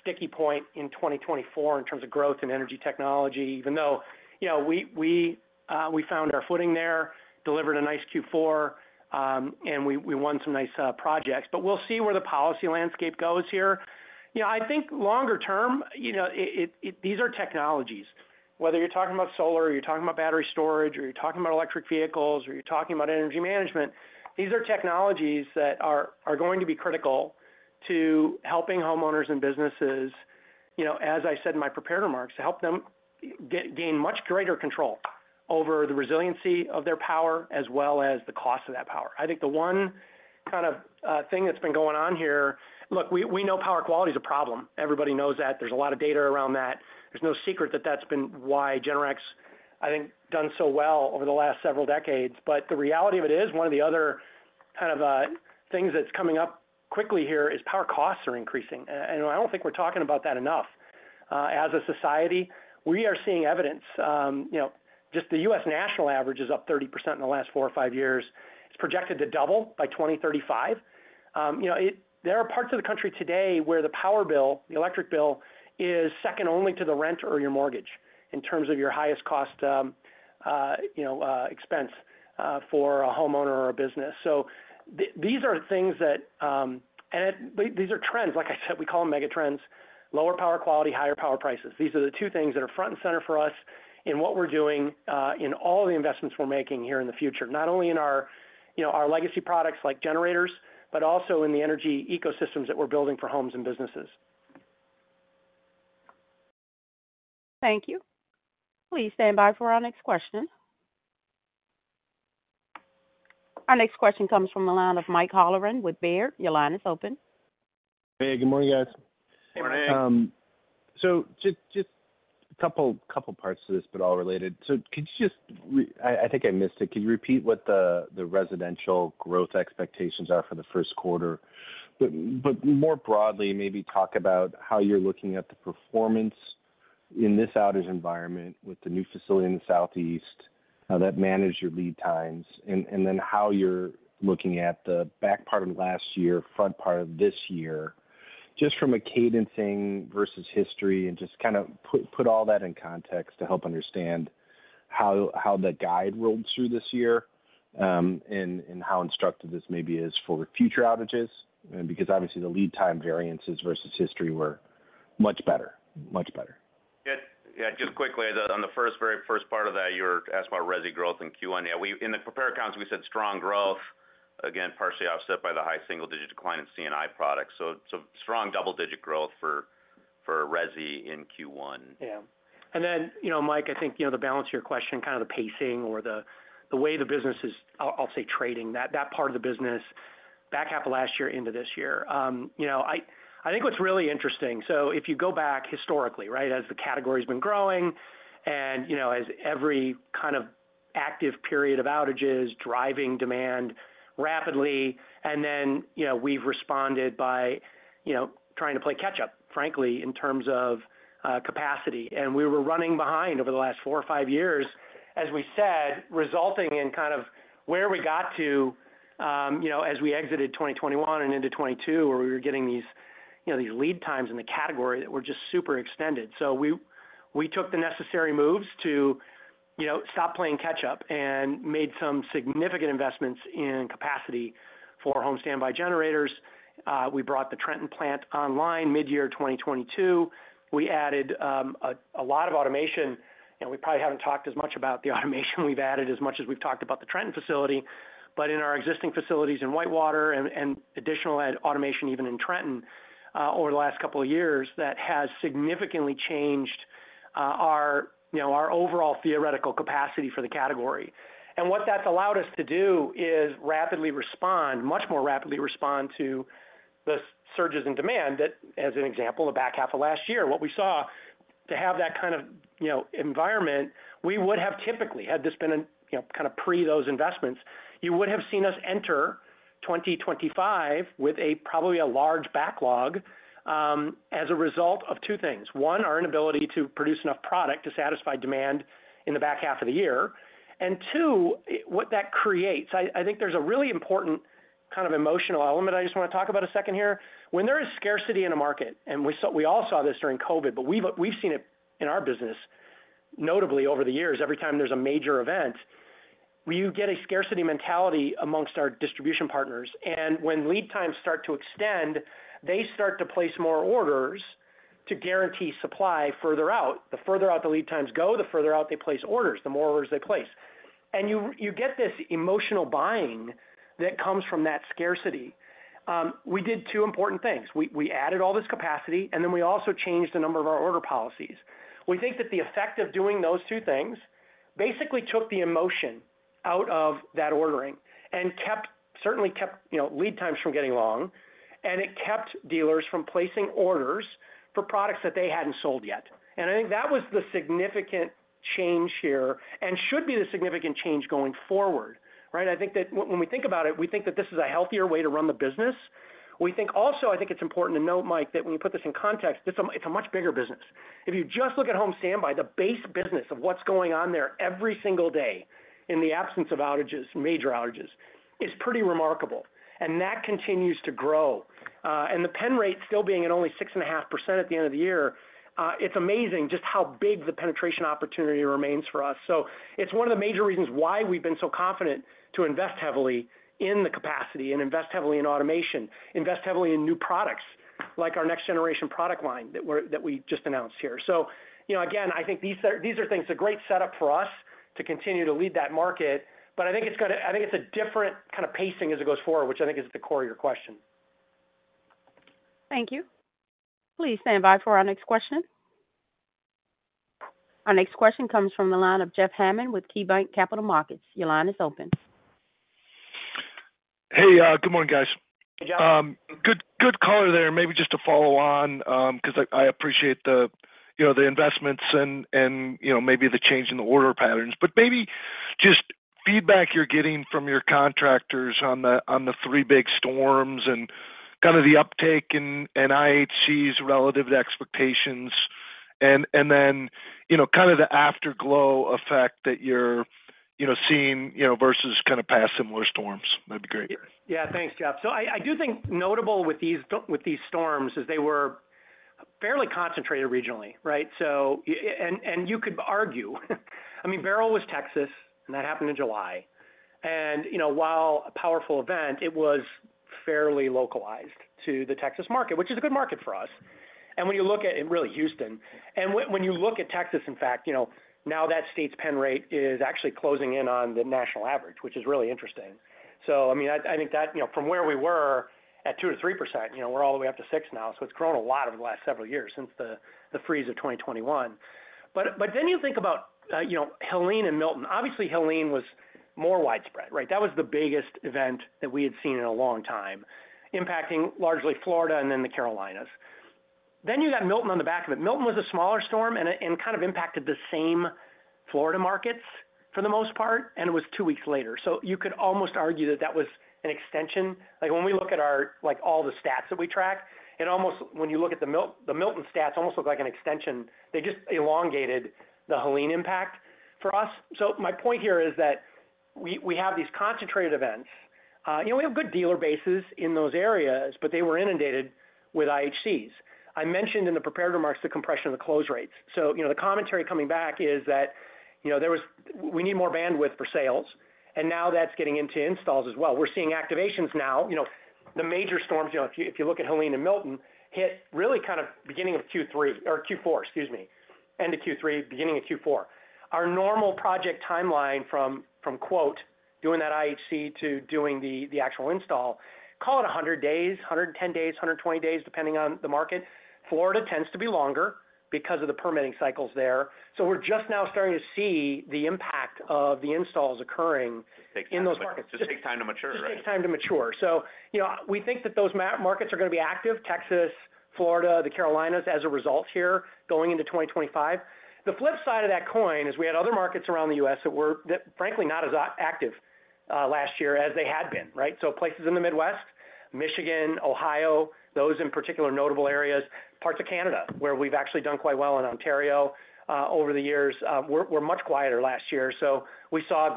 [SPEAKER 3] sticky point in 2024 in terms of growth in energy technology, even though we found our footing there, delivered a nice Q4, and we won some nice projects. But we'll see where the policy landscape goes here. I think longer term, these are technologies. Whether you're talking about solar, or you're talking about battery storage, or you're talking about electric vehicles, or you're talking about energy management, these are technologies that are going to be critical to helping homeowners and businesses, as I said in my prepared remarks, to help them gain much greater control over the resiliency of their power as well as the cost of that power. I think the one kind of thing that's been going on here, look, we know power quality is a problem. Everybody knows that. There's a lot of data around that. There's no secret that that's been why Generac's, I think, done so well over the last several decades. But the reality of it is one of the other kind of things that's coming up quickly here is power costs are increasing. And I don't think we're talking about that enough. As a society, we are seeing evidence. Just the U.S. national average is up 30% in the last four or five years. It's projected to double by 2035. There are parts of the country today where the power bill, the electric bill, is second only to the rent or your mortgage in terms of your highest cost expense for a homeowner or a business. So these are things that, and these are trends, like I said, we call them megatrends, lower power quality, higher power prices. These are the two things that are front and center for us in what we're doing, in all the investments we're making here in the future, not only in our legacy products like generators, but also in the energy ecosystems that we're building for homes and businesses.
[SPEAKER 1] Thank you. Please stand by for our next question. Our next question comes from the line of Mike Halloran with Baird. Your line is open.
[SPEAKER 7] Hey, good morning, guys.
[SPEAKER 3] Hey, morning.
[SPEAKER 7] So just a couple parts of this, but all related. So could you just, I think I missed it. Could you repeat what the residential growth expectations are for the first quarter? But more broadly, maybe talk about how you're looking at the performance in this outage environment with the new facility in the southeast, how that managed your lead times, and then how you're looking at the back part of last year, front part of this year, just from a cadencing versus history, and just kind of put all that in context to help understand how the guide rolled through this year and how instructive this maybe is for future outages. And because obviously the lead time variances versus history were much better, much better.
[SPEAKER 4] Yeah, just quickly, on the very first part of that, you were asking about Resi growth in Q1. In the prepared remarks, we said strong growth, again, partially offset by the high single-digit decline in C&I products. So strong double-digit growth for Resi in Q1.
[SPEAKER 3] Yeah. And then, Mike, I think the balance of your question, kind of the pacing or the way the business is, I'll say, trading, that part of the business back half of last year into this year. I think what's really interesting, so if you go back historically, right, as the category has been growing and as every kind of active period of outages driving demand rapidly, and then we've responded by trying to play catch-up, frankly, in terms of capacity. We were running behind over the last four or five years, as we said, resulting in kind of where we got to as we exited 2021 and into 2022, where we were getting these lead times in the category that were just super extended. We took the necessary moves to stop playing catch-up and made some significant investments in capacity for home standby generators. We brought the Trenton plant online mid-year 2022. We added a lot of automation. We probably haven't talked as much about the automation we've added as much as we've talked about the Trenton facility. But in our existing facilities in Whitewater and additional automation even in Trenton over the last couple of years, that has significantly changed our overall theoretical capacity for the category. And what that's allowed us to do is rapidly respond, much more rapidly respond to the surges in demand that, as an example, the back half of last year, what we saw to have that kind of environment, we would have typically, had this been kind of pre those investments, you would have seen us enter 2025 with probably a large backlog as a result of two things. One, our inability to produce enough product to satisfy demand in the back half of the year. And two, what that creates, I think there's a really important kind of emotional element I just want to talk about a second here. When there is scarcity in a market, and we all saw this during COVID, but we've seen it in our business notably over the years, every time there's a major event, we get a scarcity mentality amongst our distribution partners. When lead times start to extend, they start to place more orders to guarantee supply further out. The further out the lead times go, the further out they place orders, the more orders they place. You get this emotional buying that comes from that scarcity. We did two important things. We added all this capacity, and then we also changed a number of our order policies. We think that the effect of doing those two things basically took the emotion out of that ordering and certainly kept lead times from getting long, and it kept dealers from placing orders for products that they hadn't sold yet. I think that was the significant change here and should be the significant change going forward, right? I think that when we think about it, we think that this is a healthier way to run the business. We think also, I think it's important to note, Mike, that when you put this in context, it's a much bigger business. If you just look at home standby, the base business of what's going on there every single day in the absence of outages, major outages, is pretty remarkable. And that continues to grow. And the pen rate still being at only 6.5% at the end of the year, it's amazing just how big the penetration opportunity remains for us. So it's one of the major reasons why we've been so confident to invest heavily in the capacity and invest heavily in automation, invest heavily in new products like our next generation product line that we just announced here. So again, I think these are things, a great setup for us to continue to lead that market. But I think it's going to, I think it's a different kind of pacing as it goes forward, which I think is at the core of your question.
[SPEAKER 1] Thank you. Please stand by for our next question. Our next question comes from the line of Jeff Hammond with KeyBanc Capital Markets. Your line is open.
[SPEAKER 8] Hey, good morning, guys.
[SPEAKER 3] Hey, Jeff.
[SPEAKER 8] Good color there. Maybe just to follow on because I appreciate the investments and maybe the change in the order patterns. But maybe just feedback you're getting from your contractors on the three big storms and kind of the uptake in IHCs relative to expectations, and then kind of the afterglow effect that you're seeing versus kind of past similar storms. That'd be great.
[SPEAKER 3] Yeah, thanks, Jeff. So I do think notable with these storms is they were fairly concentrated regionally, right? And you could argue. I mean, Beryl was Texas, and that happened in July, and while a powerful event, it was fairly localized to the Texas market, which is a good market for us. And when you look at really Houston and Texas, in fact, now that state's penetration rate is actually closing in on the national average, which is really interesting. So I mean, I think that from where we were at 2%-3%, we're all the way up to 6% now, so it's grown a lot over the last several years since the freeze of 2021, but then you think about Helene and Milton. Obviously, Helene was more widespread, right? That was the biggest event that we had seen in a long time, impacting largely Florida and then the Carolinas, then you got Milton on the back of it. Milton was a smaller storm and kind of impacted the same Florida markets for the most part, and it was two weeks later. So you could almost argue that that was an extension. When we look at all the stats that we track, when you look at the Milton stats, it almost looks like an extension. They just elongated the Helene impact for us. So my point here is that we have these concentrated events. We have good dealer bases in those areas, but they were inundated with IHCs. I mentioned in the prepared remarks the compression of the close rates. So the commentary coming back is that we need more bandwidth for sales, and now that's getting into installs as well. We're seeing activations now. The major storms, if you look at Helene and Milton, hit really kind of beginning of Q3 or Q4, excuse me, end of Q3, beginning of Q4. Our normal project timeline from, quote, doing that IHC to doing the actual install, call it 100 days, 110 days, 120 days, depending on the market. Florida tends to be longer because of the permitting cycles there. So we're just now starting to see the impact of the installs occurring in those markets. It takes time to mature, right? It takes time to mature. So we think that those markets are going to be active, Texas, Florida, the Carolinas as a result here going into 2025. The flip side of that coin is we had other markets around the U.S. that were, frankly, not as active last year as they had been, right? So places in the Midwest, Michigan, Ohio, those in particular notable areas, parts of Canada where we've actually done quite well in Ontario over the years. We were much quieter last year. So we saw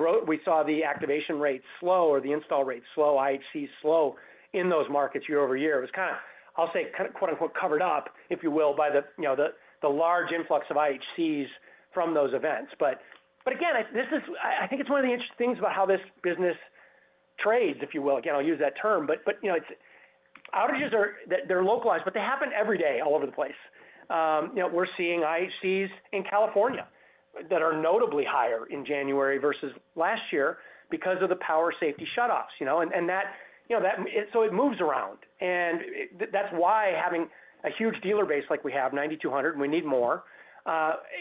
[SPEAKER 3] the activation rate slow or the install rate slow, IHC slow in those markets year-over-year. It was kind of, I'll say, quote-unquote, covered up, if you will, by the large influx of IHCs from those events. But again, I think it's one of the interesting things about how this business trades, if you will. Again, I'll use that term. But outages, they're localized, but they happen every day all over the place. We're seeing IHCs in California that are notably higher in January versus last year because of the public safety power shutoffs. And so it moves around. And that's why having a huge dealer base like we have, 9,200, and we need more,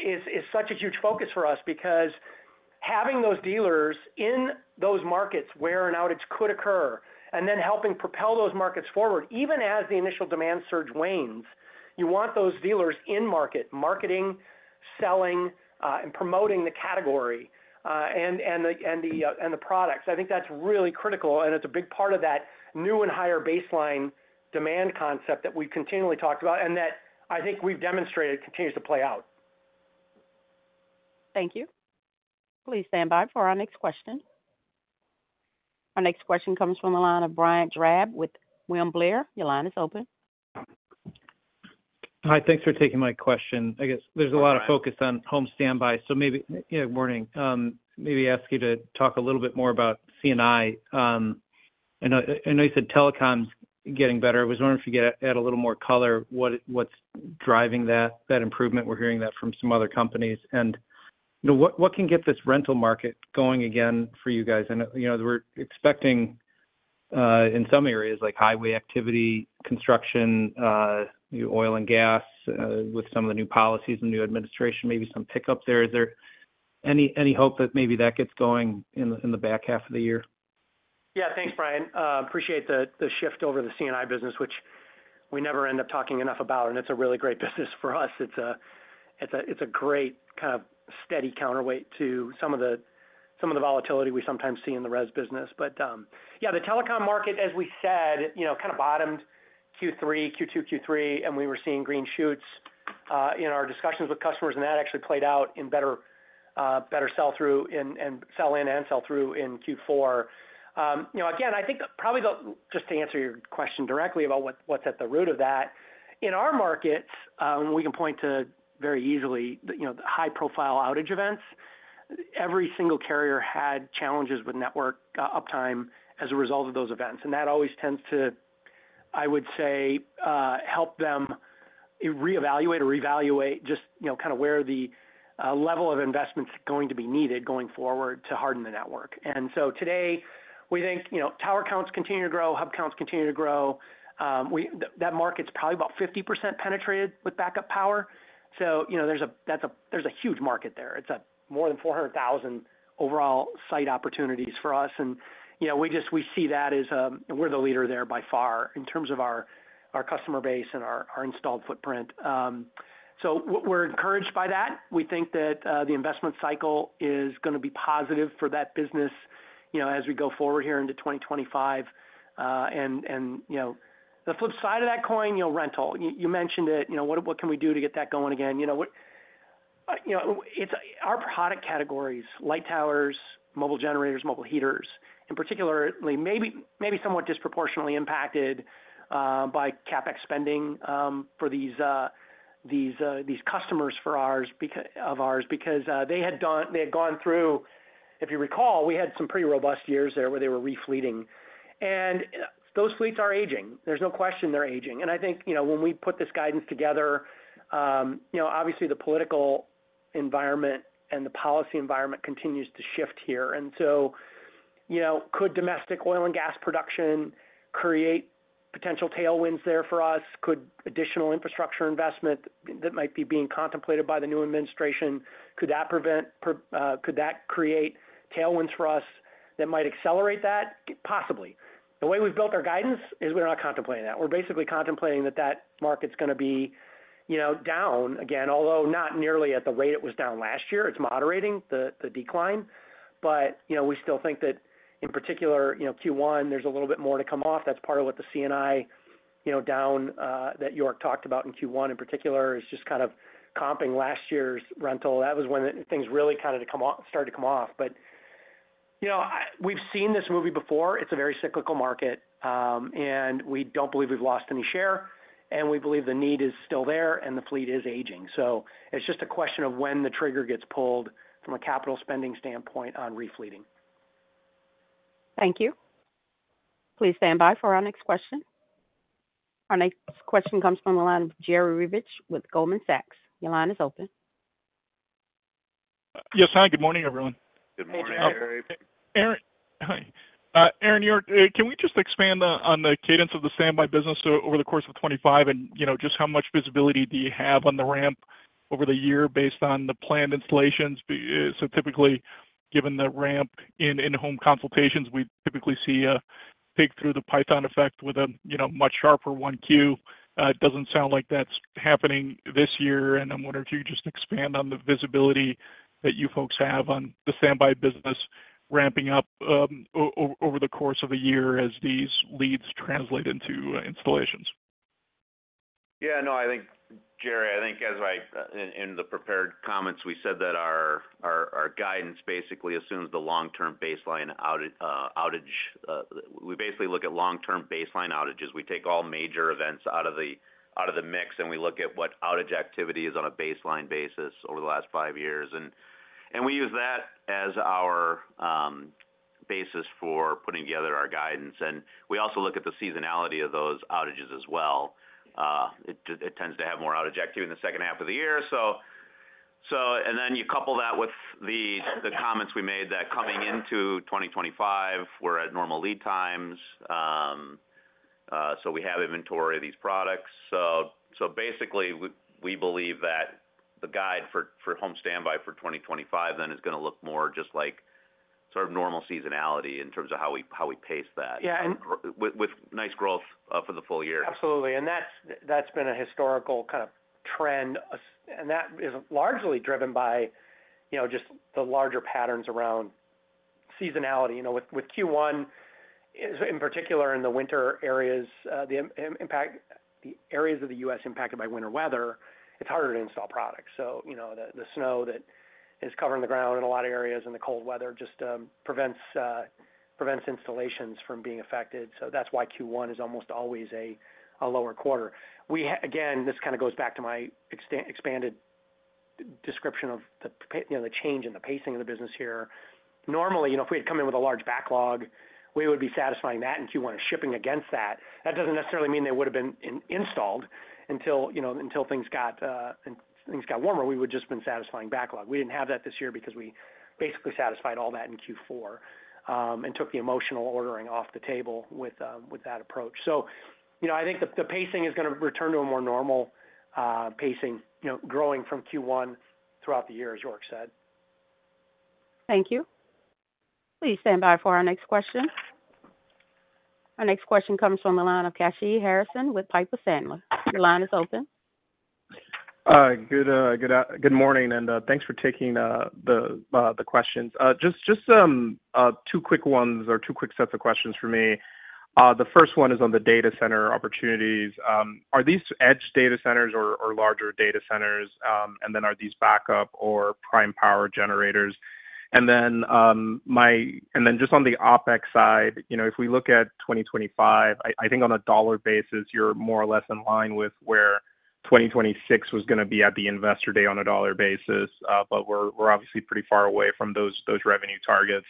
[SPEAKER 3] is such a huge focus for us because having those dealers in those markets where an outage could occur and then helping propel those markets forward, even as the initial demand surge wanes, you want those dealers in market, marketing, selling, and promoting the category and the products. I think that's really critical, and it's a big part of that new and higher baseline demand concept that we've continually talked about and that I think we've demonstrated continues to play out.
[SPEAKER 1] Thank you. Please stand by for our next question. Our next question comes from the line of Brian Drab with William Blair. Your line is open.
[SPEAKER 9] Hi, thanks for taking my question. I guess there's a lot of focus on home standby. So, morning. Maybe ask you to talk a little bit more about C&I. I know you said telecoms getting better. I was wondering if you could add a little more color. What's driving that improvement? We're hearing that from some other companies. And what can get this rental market going again for you guys? And we're expecting in some areas like highway activity, construction, oil and gas with some of the new policies and new administration, maybe some pickup there. Is there any hope that maybe that gets going in the back half of the year?
[SPEAKER 3] Yeah, thanks, Brian. Appreciate the shift over the C&I business, which we never end up talking enough about, and it's a really great business for us. It's a great kind of steady counterweight to some of the volatility we sometimes see in the Resi business. But yeah, the telecom market, as we said, kind of bottomed Q3, Q2, Q3, and we were seeing green shoots in our discussions with customers, and that actually played out in better sell-through and sell-in and sell-through in Q4. Again, I think probably just to answer your question directly about what's at the root of that, in our markets, we can point to very easily high-profile outage events. Every single carrier had challenges with network uptime as a result of those events. And that always tends to, I would say, help them reevaluate or reevaluate just kind of where the level of investment is going to be needed going forward to harden the network. And so today, we think tower counts continue to grow, hub counts continue to grow. That market's probably about 50% penetrated with backup power. So there's a huge market there. It's more than 400,000 overall site opportunities for us. And we see that as we're the leader there by far in terms of our customer base and our installed footprint. So we're encouraged by that. We think that the investment cycle is going to be positive for that business as we go forward here into 2025. And the flip side of that coin, rental. You mentioned it. What can we do to get that going again? Our product categories, light towers, mobile generators, mobile heaters, in particular, maybe somewhat disproportionately impacted by CapEx spending for these customers of ours because they had gone through, if you recall, we had some pretty robust years there where they were refleeting. And those fleets are aging. There's no question they're aging. And I think when we put this guidance together, obviously, the political environment and the policy environment continues to shift here. And so, could domestic oil and gas production create potential tailwinds there for us? Could additional infrastructure investment that might be being contemplated by the new administration create tailwinds for us that might accelerate that? Possibly. The way we've built our guidance is we're not contemplating that. We're basically contemplating that that market's going to be down again, although not nearly at the rate it was down last year. It's moderating the decline. But we still think that in particular, Q1, there's a little bit more to come off. That's part of what the C&I down that York talked about in Q1 in particular is just kind of comping last year's rental. That was when things really kind of started to come off. But we've seen this movie before. It's a very cyclical market, and we don't believe we've lost any share. And we believe the need is still there, and the fleet is aging. So it's just a question of when the trigger gets pulled from a capital spending standpoint on refleeting.
[SPEAKER 1] Thank you. Please stand by for our next question. Our next question comes from the line of Jerry Revich with Goldman Sachs. Your line is open.
[SPEAKER 10] Yes, hi. Good morning, everyone.
[SPEAKER 3] Good morning, Jerry.
[SPEAKER 10] Aaron, can we just expand on the cadence of the standby business over the course of 2025 and just how much visibility do you have on the ramp over the year based on the planned installations? So typically, given the ramp in home consultations, we typically see a take through the pipeline effect with a much sharper Q1. It doesn't sound like that's happening this year. I'm wondering if you could just expand on the visibility that you folks have on the standby business ramping up over the course of a year as these leads translate into installations.
[SPEAKER 4] Yeah, no, I think, Jerry, I think as in the prepared comments, we said that our guidance basically assumes the long-term baseline outage. We basically look at long-term baseline outages. We take all major events out of the mix, and we look at what outage activity is on a baseline basis over the last five years, and we use that as our basis for putting together our guidance, and we also look at the seasonality of those outages as well. It tends to have more outage activity in the second half of the year, and then you couple that with the comments we made that coming into 2025, we're at normal lead times. So we have inventory of these products. So basically, we believe that the guide for home standby for 2025 then is going to look more just like sort of normal seasonality in terms of how we pace that with nice growth for the full year.
[SPEAKER 3] Absolutely. And that's been a historical kind of trend. And that is largely driven by just the larger patterns around seasonality. With Q1, in particular, in the winter areas, the areas of the U.S. impacted by winter weather, it's harder to install products. So the snow that is covering the ground in a lot of areas and the cold weather just prevents installations from being affected. So that's why Q1 is almost always a lower quarter. Again, this kind of goes back to my expanded description of the change in the pacing of the business here. Normally, if we had come in with a large backlog, we would be satisfying that in Q1 and shipping against that. That doesn't necessarily mean they would have been installed until things got warmer. We would just have been satisfying backlog. We didn't have that this year because we basically satisfied all that in Q4 and took the emotional ordering off the table with that approach. So I think the pacing is going to return to a more normal pacing, growing from Q1 throughout the year, as York said.
[SPEAKER 1] Thank you. Please stand by for our next question. Our next question comes from the line of Kashy Harrison with Piper Sandler. Your line is open.
[SPEAKER 11] Good morning, and thanks for taking the questions. Just two quick ones or two quick sets of questions for me. The first one is on the data center opportunities. Are these edge data centers or larger data centers? And then are these backup or prime power generators? And then just on the OpEx side, if we look at 2025, I think on a dollar basis, you're more or less in line with where 2026 was going to be at the investor day on a dollar basis. But we're obviously pretty far away from those revenue targets.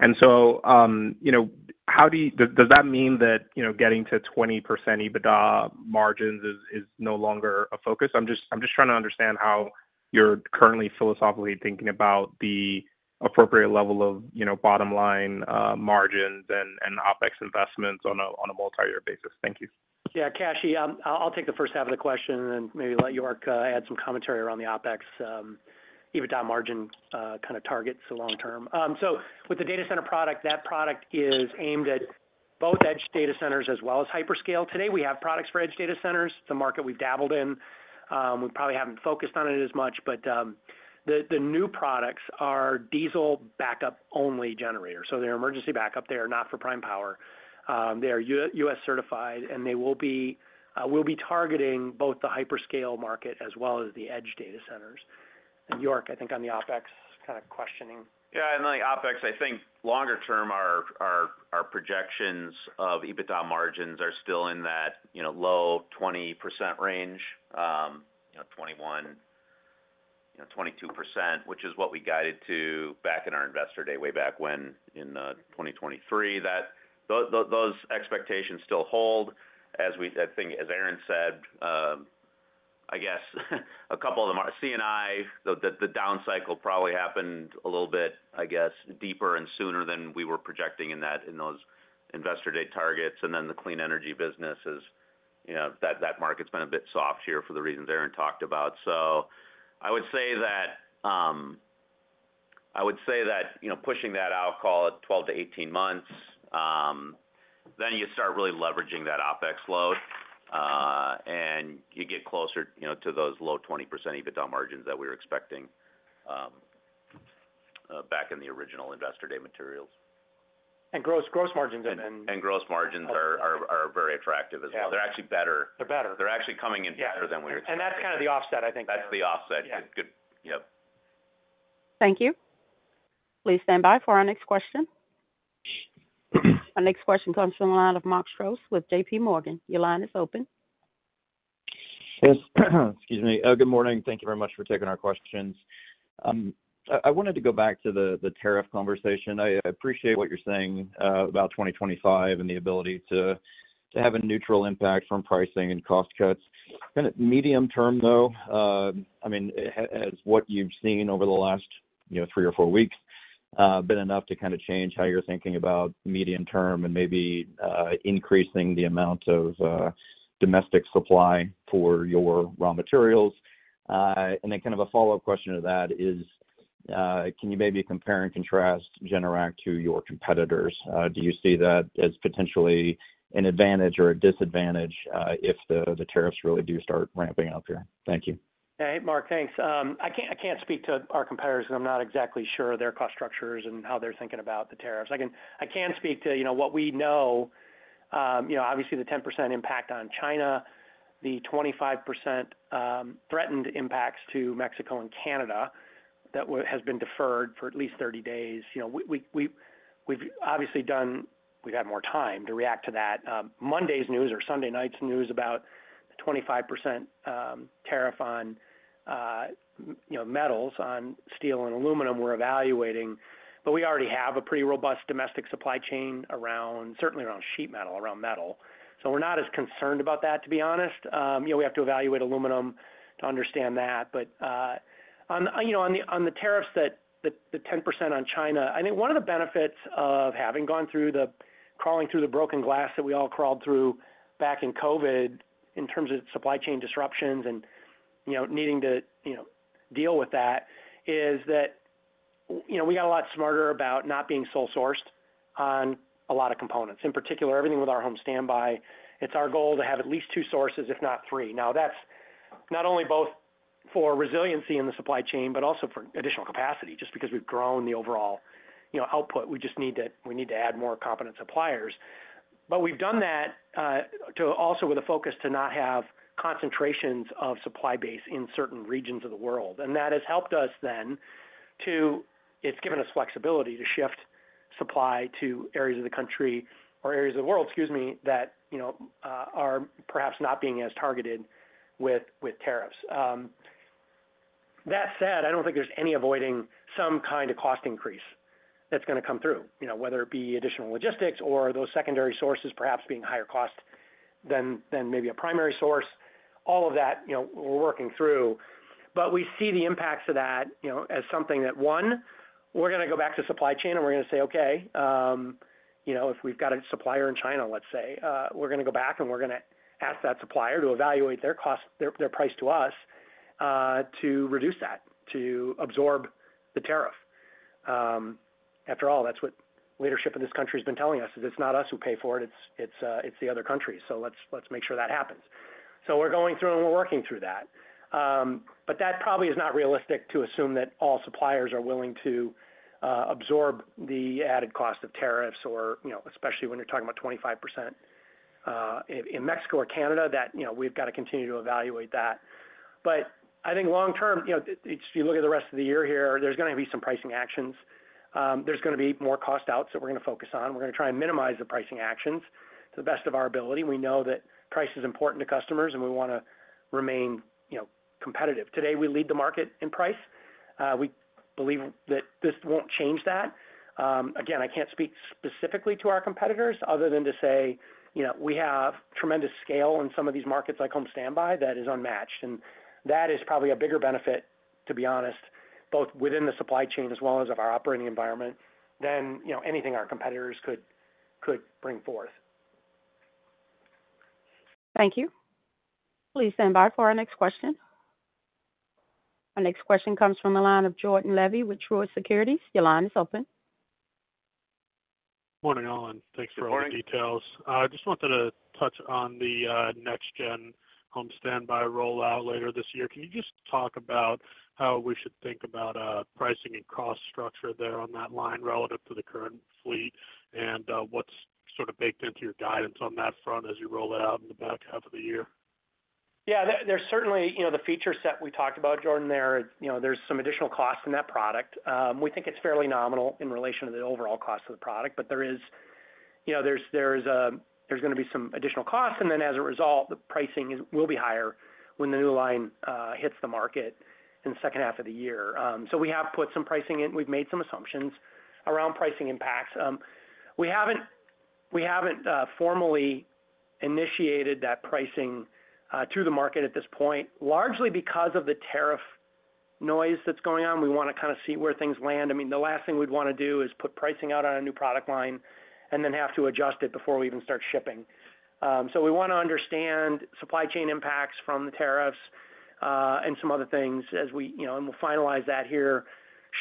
[SPEAKER 11] And so does that mean that getting to 20% EBITDA margins is no longer a focus? I'm just trying to understand how you're currently philosophically thinking about the appropriate level of bottom line margins and OpEx investments on a multi-year basis. Thank you.
[SPEAKER 3] Yeah, Kashy, I'll take the first half of the question and maybe let York add some commentary around the OpEx EBITDA margin kind of targets long term. With the data center product, that product is aimed at both edge data centers as well as hyperscale. Today, we have products for edge data centers. It's a market we've dabbled in. We probably haven't focused on it as much. But the new products are diesel backup-only generators. So they're emergency backup. They are not for prime power. They are U.S. certified. And we'll be targeting both the hyperscale market as well as the edge data centers. And York, I think, on the OpEx kind of questioning.
[SPEAKER 4] Yeah, and on the OpEx, I think longer term, our projections of EBITDA margins are still in that low 20% range, 21%-22%, which is what we guided to back in our investor day way back when in 2023. Those expectations still hold. As Aaron said, I guess a couple of them are C&I, the down cycle probably happened a little bit, I guess, deeper and sooner than we were projecting in those investor day targets. And then the clean energy business, that market's been a bit soft here for the reasons Aaron talked about. So I would say that pushing that out, call it 12-18 months, then you start really leveraging that OpEx load. And you get closer to those low 20% EBITDA margins that we were expecting back in the original investor day materials. And gross margins are very attractive as well. They're actually better. They're actually coming in better than we expected. And that's kind of the offset, I think. Yeah.
[SPEAKER 1] Thank you. Please stand by for our next question. Our next question comes from the line of Mark Strouse with JPMorgan. Your line is open.
[SPEAKER 12] Excuse me. Good morning. Thank you very much for taking our questions. I wanted to go back to the tariff conversation. I appreciate what you're saying about 2025 and the ability to have a neutral impact from pricing and cost cuts. Kind of medium term, though, I mean, has what you've seen over the last three or four weeks been enough to kind of change how you're thinking about medium term and maybe increasing the amount of domestic supply for your raw materials? And then kind of a follow-up question to that is, can you maybe compare and contrast Generac to your competitors? Do you see that as potentially an advantage or a disadvantage if the tariffs really do start ramping up here? Thank you.
[SPEAKER 3] Hey, Mark, thanks. I can't speak to our competitors because I'm not exactly sure of their cost structures and how they're thinking about the tariffs. I can speak to what we know. Obviously, the 10% impact on China, the 25% threatened impacts to Mexico and Canada that has been deferred for at least 30 days. We've obviously done. We've had more time to react to that. Monday's news or Sunday night's news about the 25% tariff on metals, on steel and aluminum, we're evaluating. But we already have a pretty robust domestic supply chain certainly around sheet metal, around metal. So we're not as concerned about that, to be honest. We have to evaluate aluminum to understand that. But on the tariffs, the 10% on China, I think one of the benefits of having gone through the crawling through the broken glass that we all crawled through back in COVID in terms of supply chain disruptions and needing to deal with that is that we got a lot smarter about not being sole-sourced on a lot of components. In particular, everything with our home standby, it's our goal to have at least two sources, if not three. Now, that's not only both for resiliency in the supply chain, but also for additional capacity, just because we've grown the overall output. We just need to add more competent suppliers. But we've done that also with a focus to not have concentrations of supply base in certain regions of the world. And that has helped us then to. It's given us flexibility to shift supply to areas of the country or areas of the world, excuse me, that are perhaps not being as targeted with tariffs. That said, I don't think there's any avoiding some kind of cost increase that's going to come through, whether it be additional logistics or those secondary sources perhaps being higher cost than maybe a primary source. All of that, we're working through. But we see the impacts of that as something that, one, we're going to go back to supply chain and we're going to say, "Okay, if we've got a supplier in China, let's say, we're going to go back and we're going to ask that supplier to evaluate their price to us to reduce that, to absorb the tariff." After all, that's what leadership in this country has been telling us, is it's not us who pay for it. It's the other countries. So let's make sure that happens. So we're going through and we're working through that. But that probably is not realistic to assume that all suppliers are willing to absorb the added cost of tariffs, especially when you're talking about 25%. In Mexico or Canada, we've got to continue to evaluate that. But I think long term, if you look at the rest of the year here, there's going to be some pricing actions. There's going to be more cost outs that we're going to focus on. We're going to try and minimize the pricing actions to the best of our ability. We know that price is important to customers, and we want to remain competitive. Today, we lead the market in price. We believe that this won't change that. Again, I can't speak specifically to our competitors other than to say we have tremendous scale in some of these markets like home standby that is unmatched. And that is probably a bigger benefit, to be honest, both within the supply chain as well as of our operating environment than anything our competitors could bring forth.
[SPEAKER 1] Thank you. Please stand by for our next question. Our next question comes from the line of Jordan Levy with Truist Securities. Your line is open.
[SPEAKER 13] Morning, Aaron. Thanks for all the details. I just wanted to touch on the next-gen home standby rollout later this year. Can you just talk about how we should think about pricing and cost structure there on that line relative to the current fleet and what's sort of baked into your guidance on that front as you roll it out in the back half of the year?
[SPEAKER 3] Yeah, there's certainly the feature set we talked about, Jordan, there. There's some additional cost in that product. We think it's fairly nominal in relation to the overall cost of the product, but there is going to be some additional cost. And then, as a result, the pricing will be higher when the new line hits the market in the second half of the year. So we have put some pricing in. We've made some assumptions around pricing impacts. We haven't formally initiated that pricing to the market at this point, largely because of the tariff noise that's going on. We want to kind of see where things land. I mean, the last thing we'd want to do is put pricing out on a new product line and then have to adjust it before we even start shipping. So we want to understand supply chain impacts from the tariffs and some other things as we finalize that here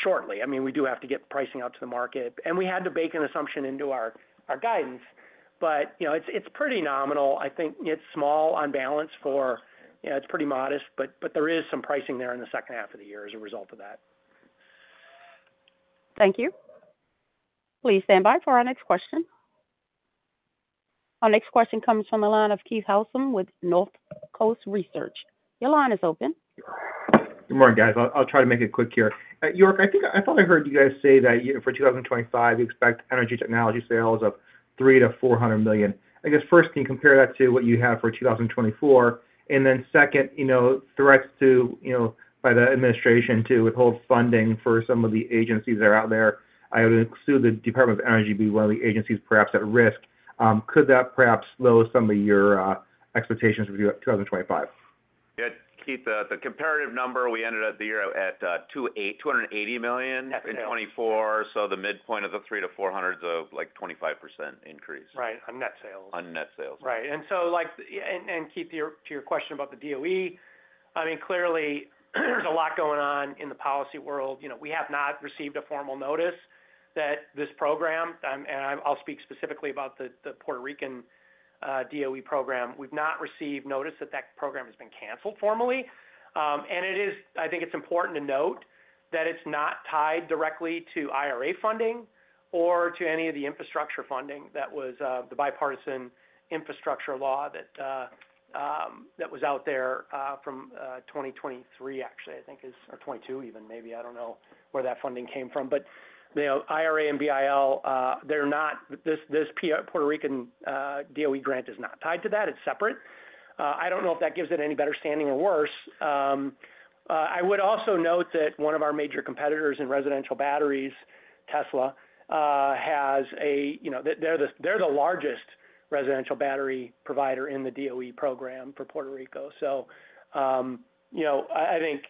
[SPEAKER 3] shortly. I mean, we do have to get pricing out to the market. And we had to bake an assumption into our guidance. But it's pretty nominal. I think it's small on balance, for it's pretty modest, but there is some pricing there in the second half of the year as a result of that.
[SPEAKER 1] Thank you. Please stand by for our next question. Our next question comes from the line of Keith Housum with Northcoast Research. Your line is open.
[SPEAKER 14] Good morning, guys. I'll try to make it quick here. York, I thought I heard you guys say that for 2025, you expect energy technology sales of $300 million-$400 million. I guess, first, can you compare that to what you have for 2024? And then second, threats by the administration to withhold funding for some of the agencies that are out there. I would assume the Department of Energy would be one of the agencies perhaps at risk. Could that perhaps slow some of your expectations for 2025?
[SPEAKER 4] Yeah, Keith, the comparative number, we ended the year at $280 million in 2024. So the midpoint of the $300 million-$400 million is a 25% increase.
[SPEAKER 3] Right, on net sales.
[SPEAKER 4] On net sales.
[SPEAKER 3] Right. And to your question about the DOE, I mean, clearly, there's a lot going on in the policy world. We have not received a formal notice that this program (and I'll speak specifically about the Puerto Rican DOE program) we've not received notice that that program has been canceled formally. And I think it's important to note that it's not tied directly to IRA funding or to any of the infrastructure funding that was the Bipartisan Infrastructure Law that was out there from 2023, actually, I think, or 2022 even, maybe. I don't know where that funding came from. But IRA and BIL, this Puerto Rican DOE grant is not tied to that. It's separate. I don't know if that gives it any better standing or worse. I would also note that one of our major competitors in residential batteries, Tesla, has a, they're the largest residential battery provider in the DOE program for Puerto Rico. So I think,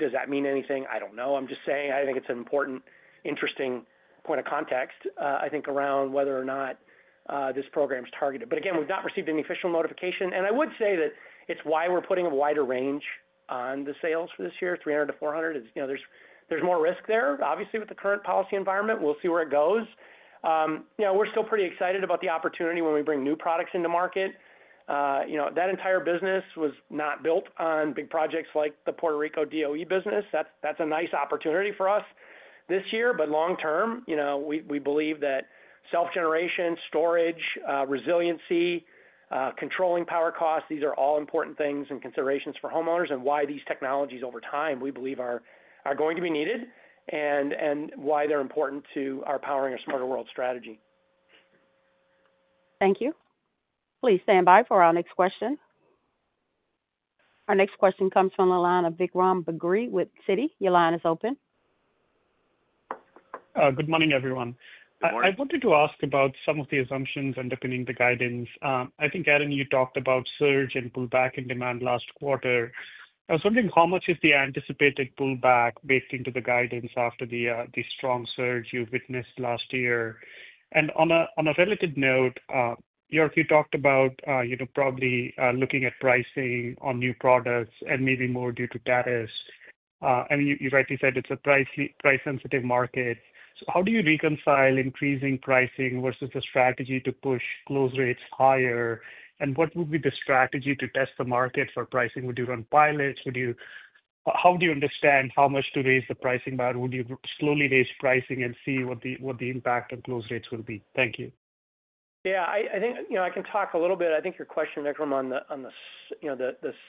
[SPEAKER 3] does that mean anything? I don't know. I'm just saying I think it's an important, interesting point of context, I think, around whether or not this program's targeted. But again, we've not received any official notification. And I would say that it's why we're putting a wider range on the sales for this year, 300-400. There's more risk there, obviously, with the current policy environment. We'll see where it goes. We're still pretty excited about the opportunity when we bring new products into market. That entire business was not built on big projects like the Puerto Rico DOE business. That's a nice opportunity for us this year. But long term, we believe that self-generation, storage, resiliency, controlling power costs, these are all important things and considerations for homeowners and why these technologies over time, we believe, are going to be needed and why they're important to our Powering a Smarter World strategy.
[SPEAKER 1] Thank you. Please stand by for our next question. Our next question comes from the line of Vikram Bagri with Citi. Your line is open.
[SPEAKER 15] Good morning, everyone. I wanted to ask about some of the assumptions underpinning the guidance. I think, Aaron, you talked about surge and pullback in demand last quarter. I was wondering how much is the anticipated pullback baked into the guidance after the strong surge you witnessed last year. And on a relative note, York, you talked about probably looking at pricing on new products and maybe more due to tariffs. I mean, you rightly said it's a price-sensitive market. So how do you reconcile increasing pricing versus the strategy to push close rates higher? And what would be the strategy to test the market for pricing? Would you run pilots? How would you understand how much to raise the pricing bar? Would you slowly raise pricing and see what the impact on close rates would be? Thank you.
[SPEAKER 3] Yeah, I think I can talk a little bit. I think your question there from on the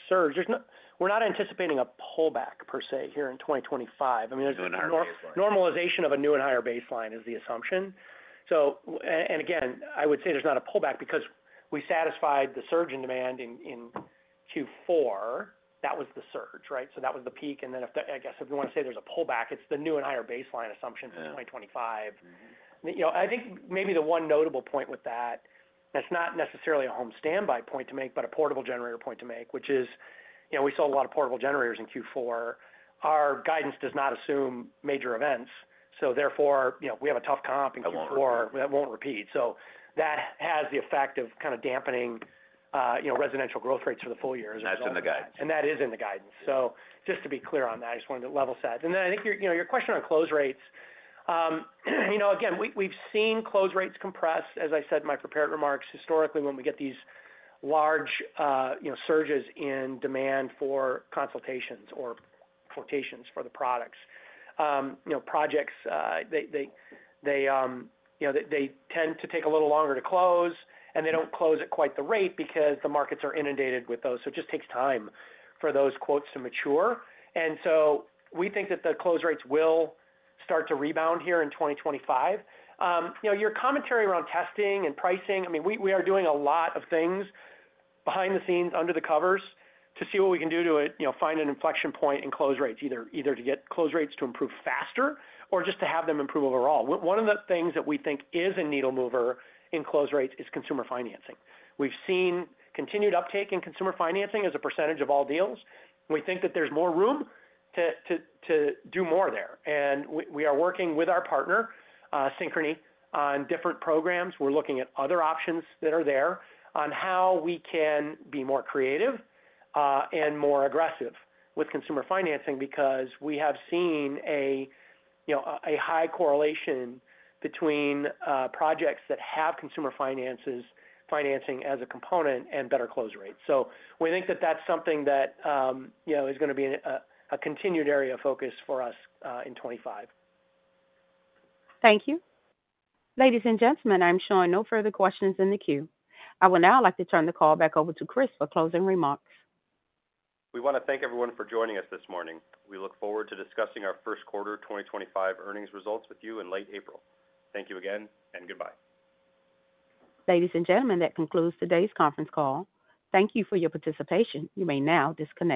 [SPEAKER 3] surge, we're not anticipating a pullback per se here in 2025. I mean, normalization of a new and higher baseline is the assumption. And again, I would say there's not a pullback because we satisfied the surge in demand in Q4. That was the surge, right? So that was the peak. And then I guess if we want to say there's a pullback, it's the new and higher baseline assumption for 2025. I think maybe the one notable point with that is that's not necessarily a home standby point to make, but a portable generator point to make, which is we sold a lot of portable generators in Q4. Our guidance does not assume major events. So therefore, we have a tough comp in Q4. That won't repeat. So that has the effect of kind of dampening residential growth rates for the full year as well. And that's in the guidance. And that is in the guidance. So just to be clear on that, I just wanted to level set. And then I think your question on close rates. Again, we've seen close rates compress, as I said in my prepared remarks, historically when we get these large surges in demand for consultations or quotations for the products. Projects, they tend to take a little longer to close, and they don't close at quite the rate because the markets are inundated with those. So it just takes time for those quotes to mature, and so we think that the close rates will start to rebound here in 2025. Your commentary around testing and pricing, I mean, we are doing a lot of things behind the scenes, under the covers, to see what we can do to find an inflection point in close rates, either to get close rates to improve faster or just to have them improve overall. One of the things that we think is a needle mover in close rates is consumer financing. We've seen continued uptake in consumer financing as a percentage of all deals. We think that there's more room to do more there. We are working with our partner, Synchrony, on different programs. We're looking at other options that are there on how we can be more creative and more aggressive with consumer financing because we have seen a high correlation between projects that have consumer financing as a component and better close rates. So we think that that's something that is going to be a continued area of focus for us in 2025.
[SPEAKER 1] Thank you. Ladies and gentlemen, I'm sure no further questions in the queue. I will now like to turn the call back over to Kris for closing remarks.
[SPEAKER 2] We want to thank everyone for joining us this morning. We look forward to discussing our first quarter 2025 earnings results with you in late April. Thank you again, and goodbye.
[SPEAKER 1] Ladies and gentlemen, that concludes today's conference call. Thank you for your participation. You may now disconnect.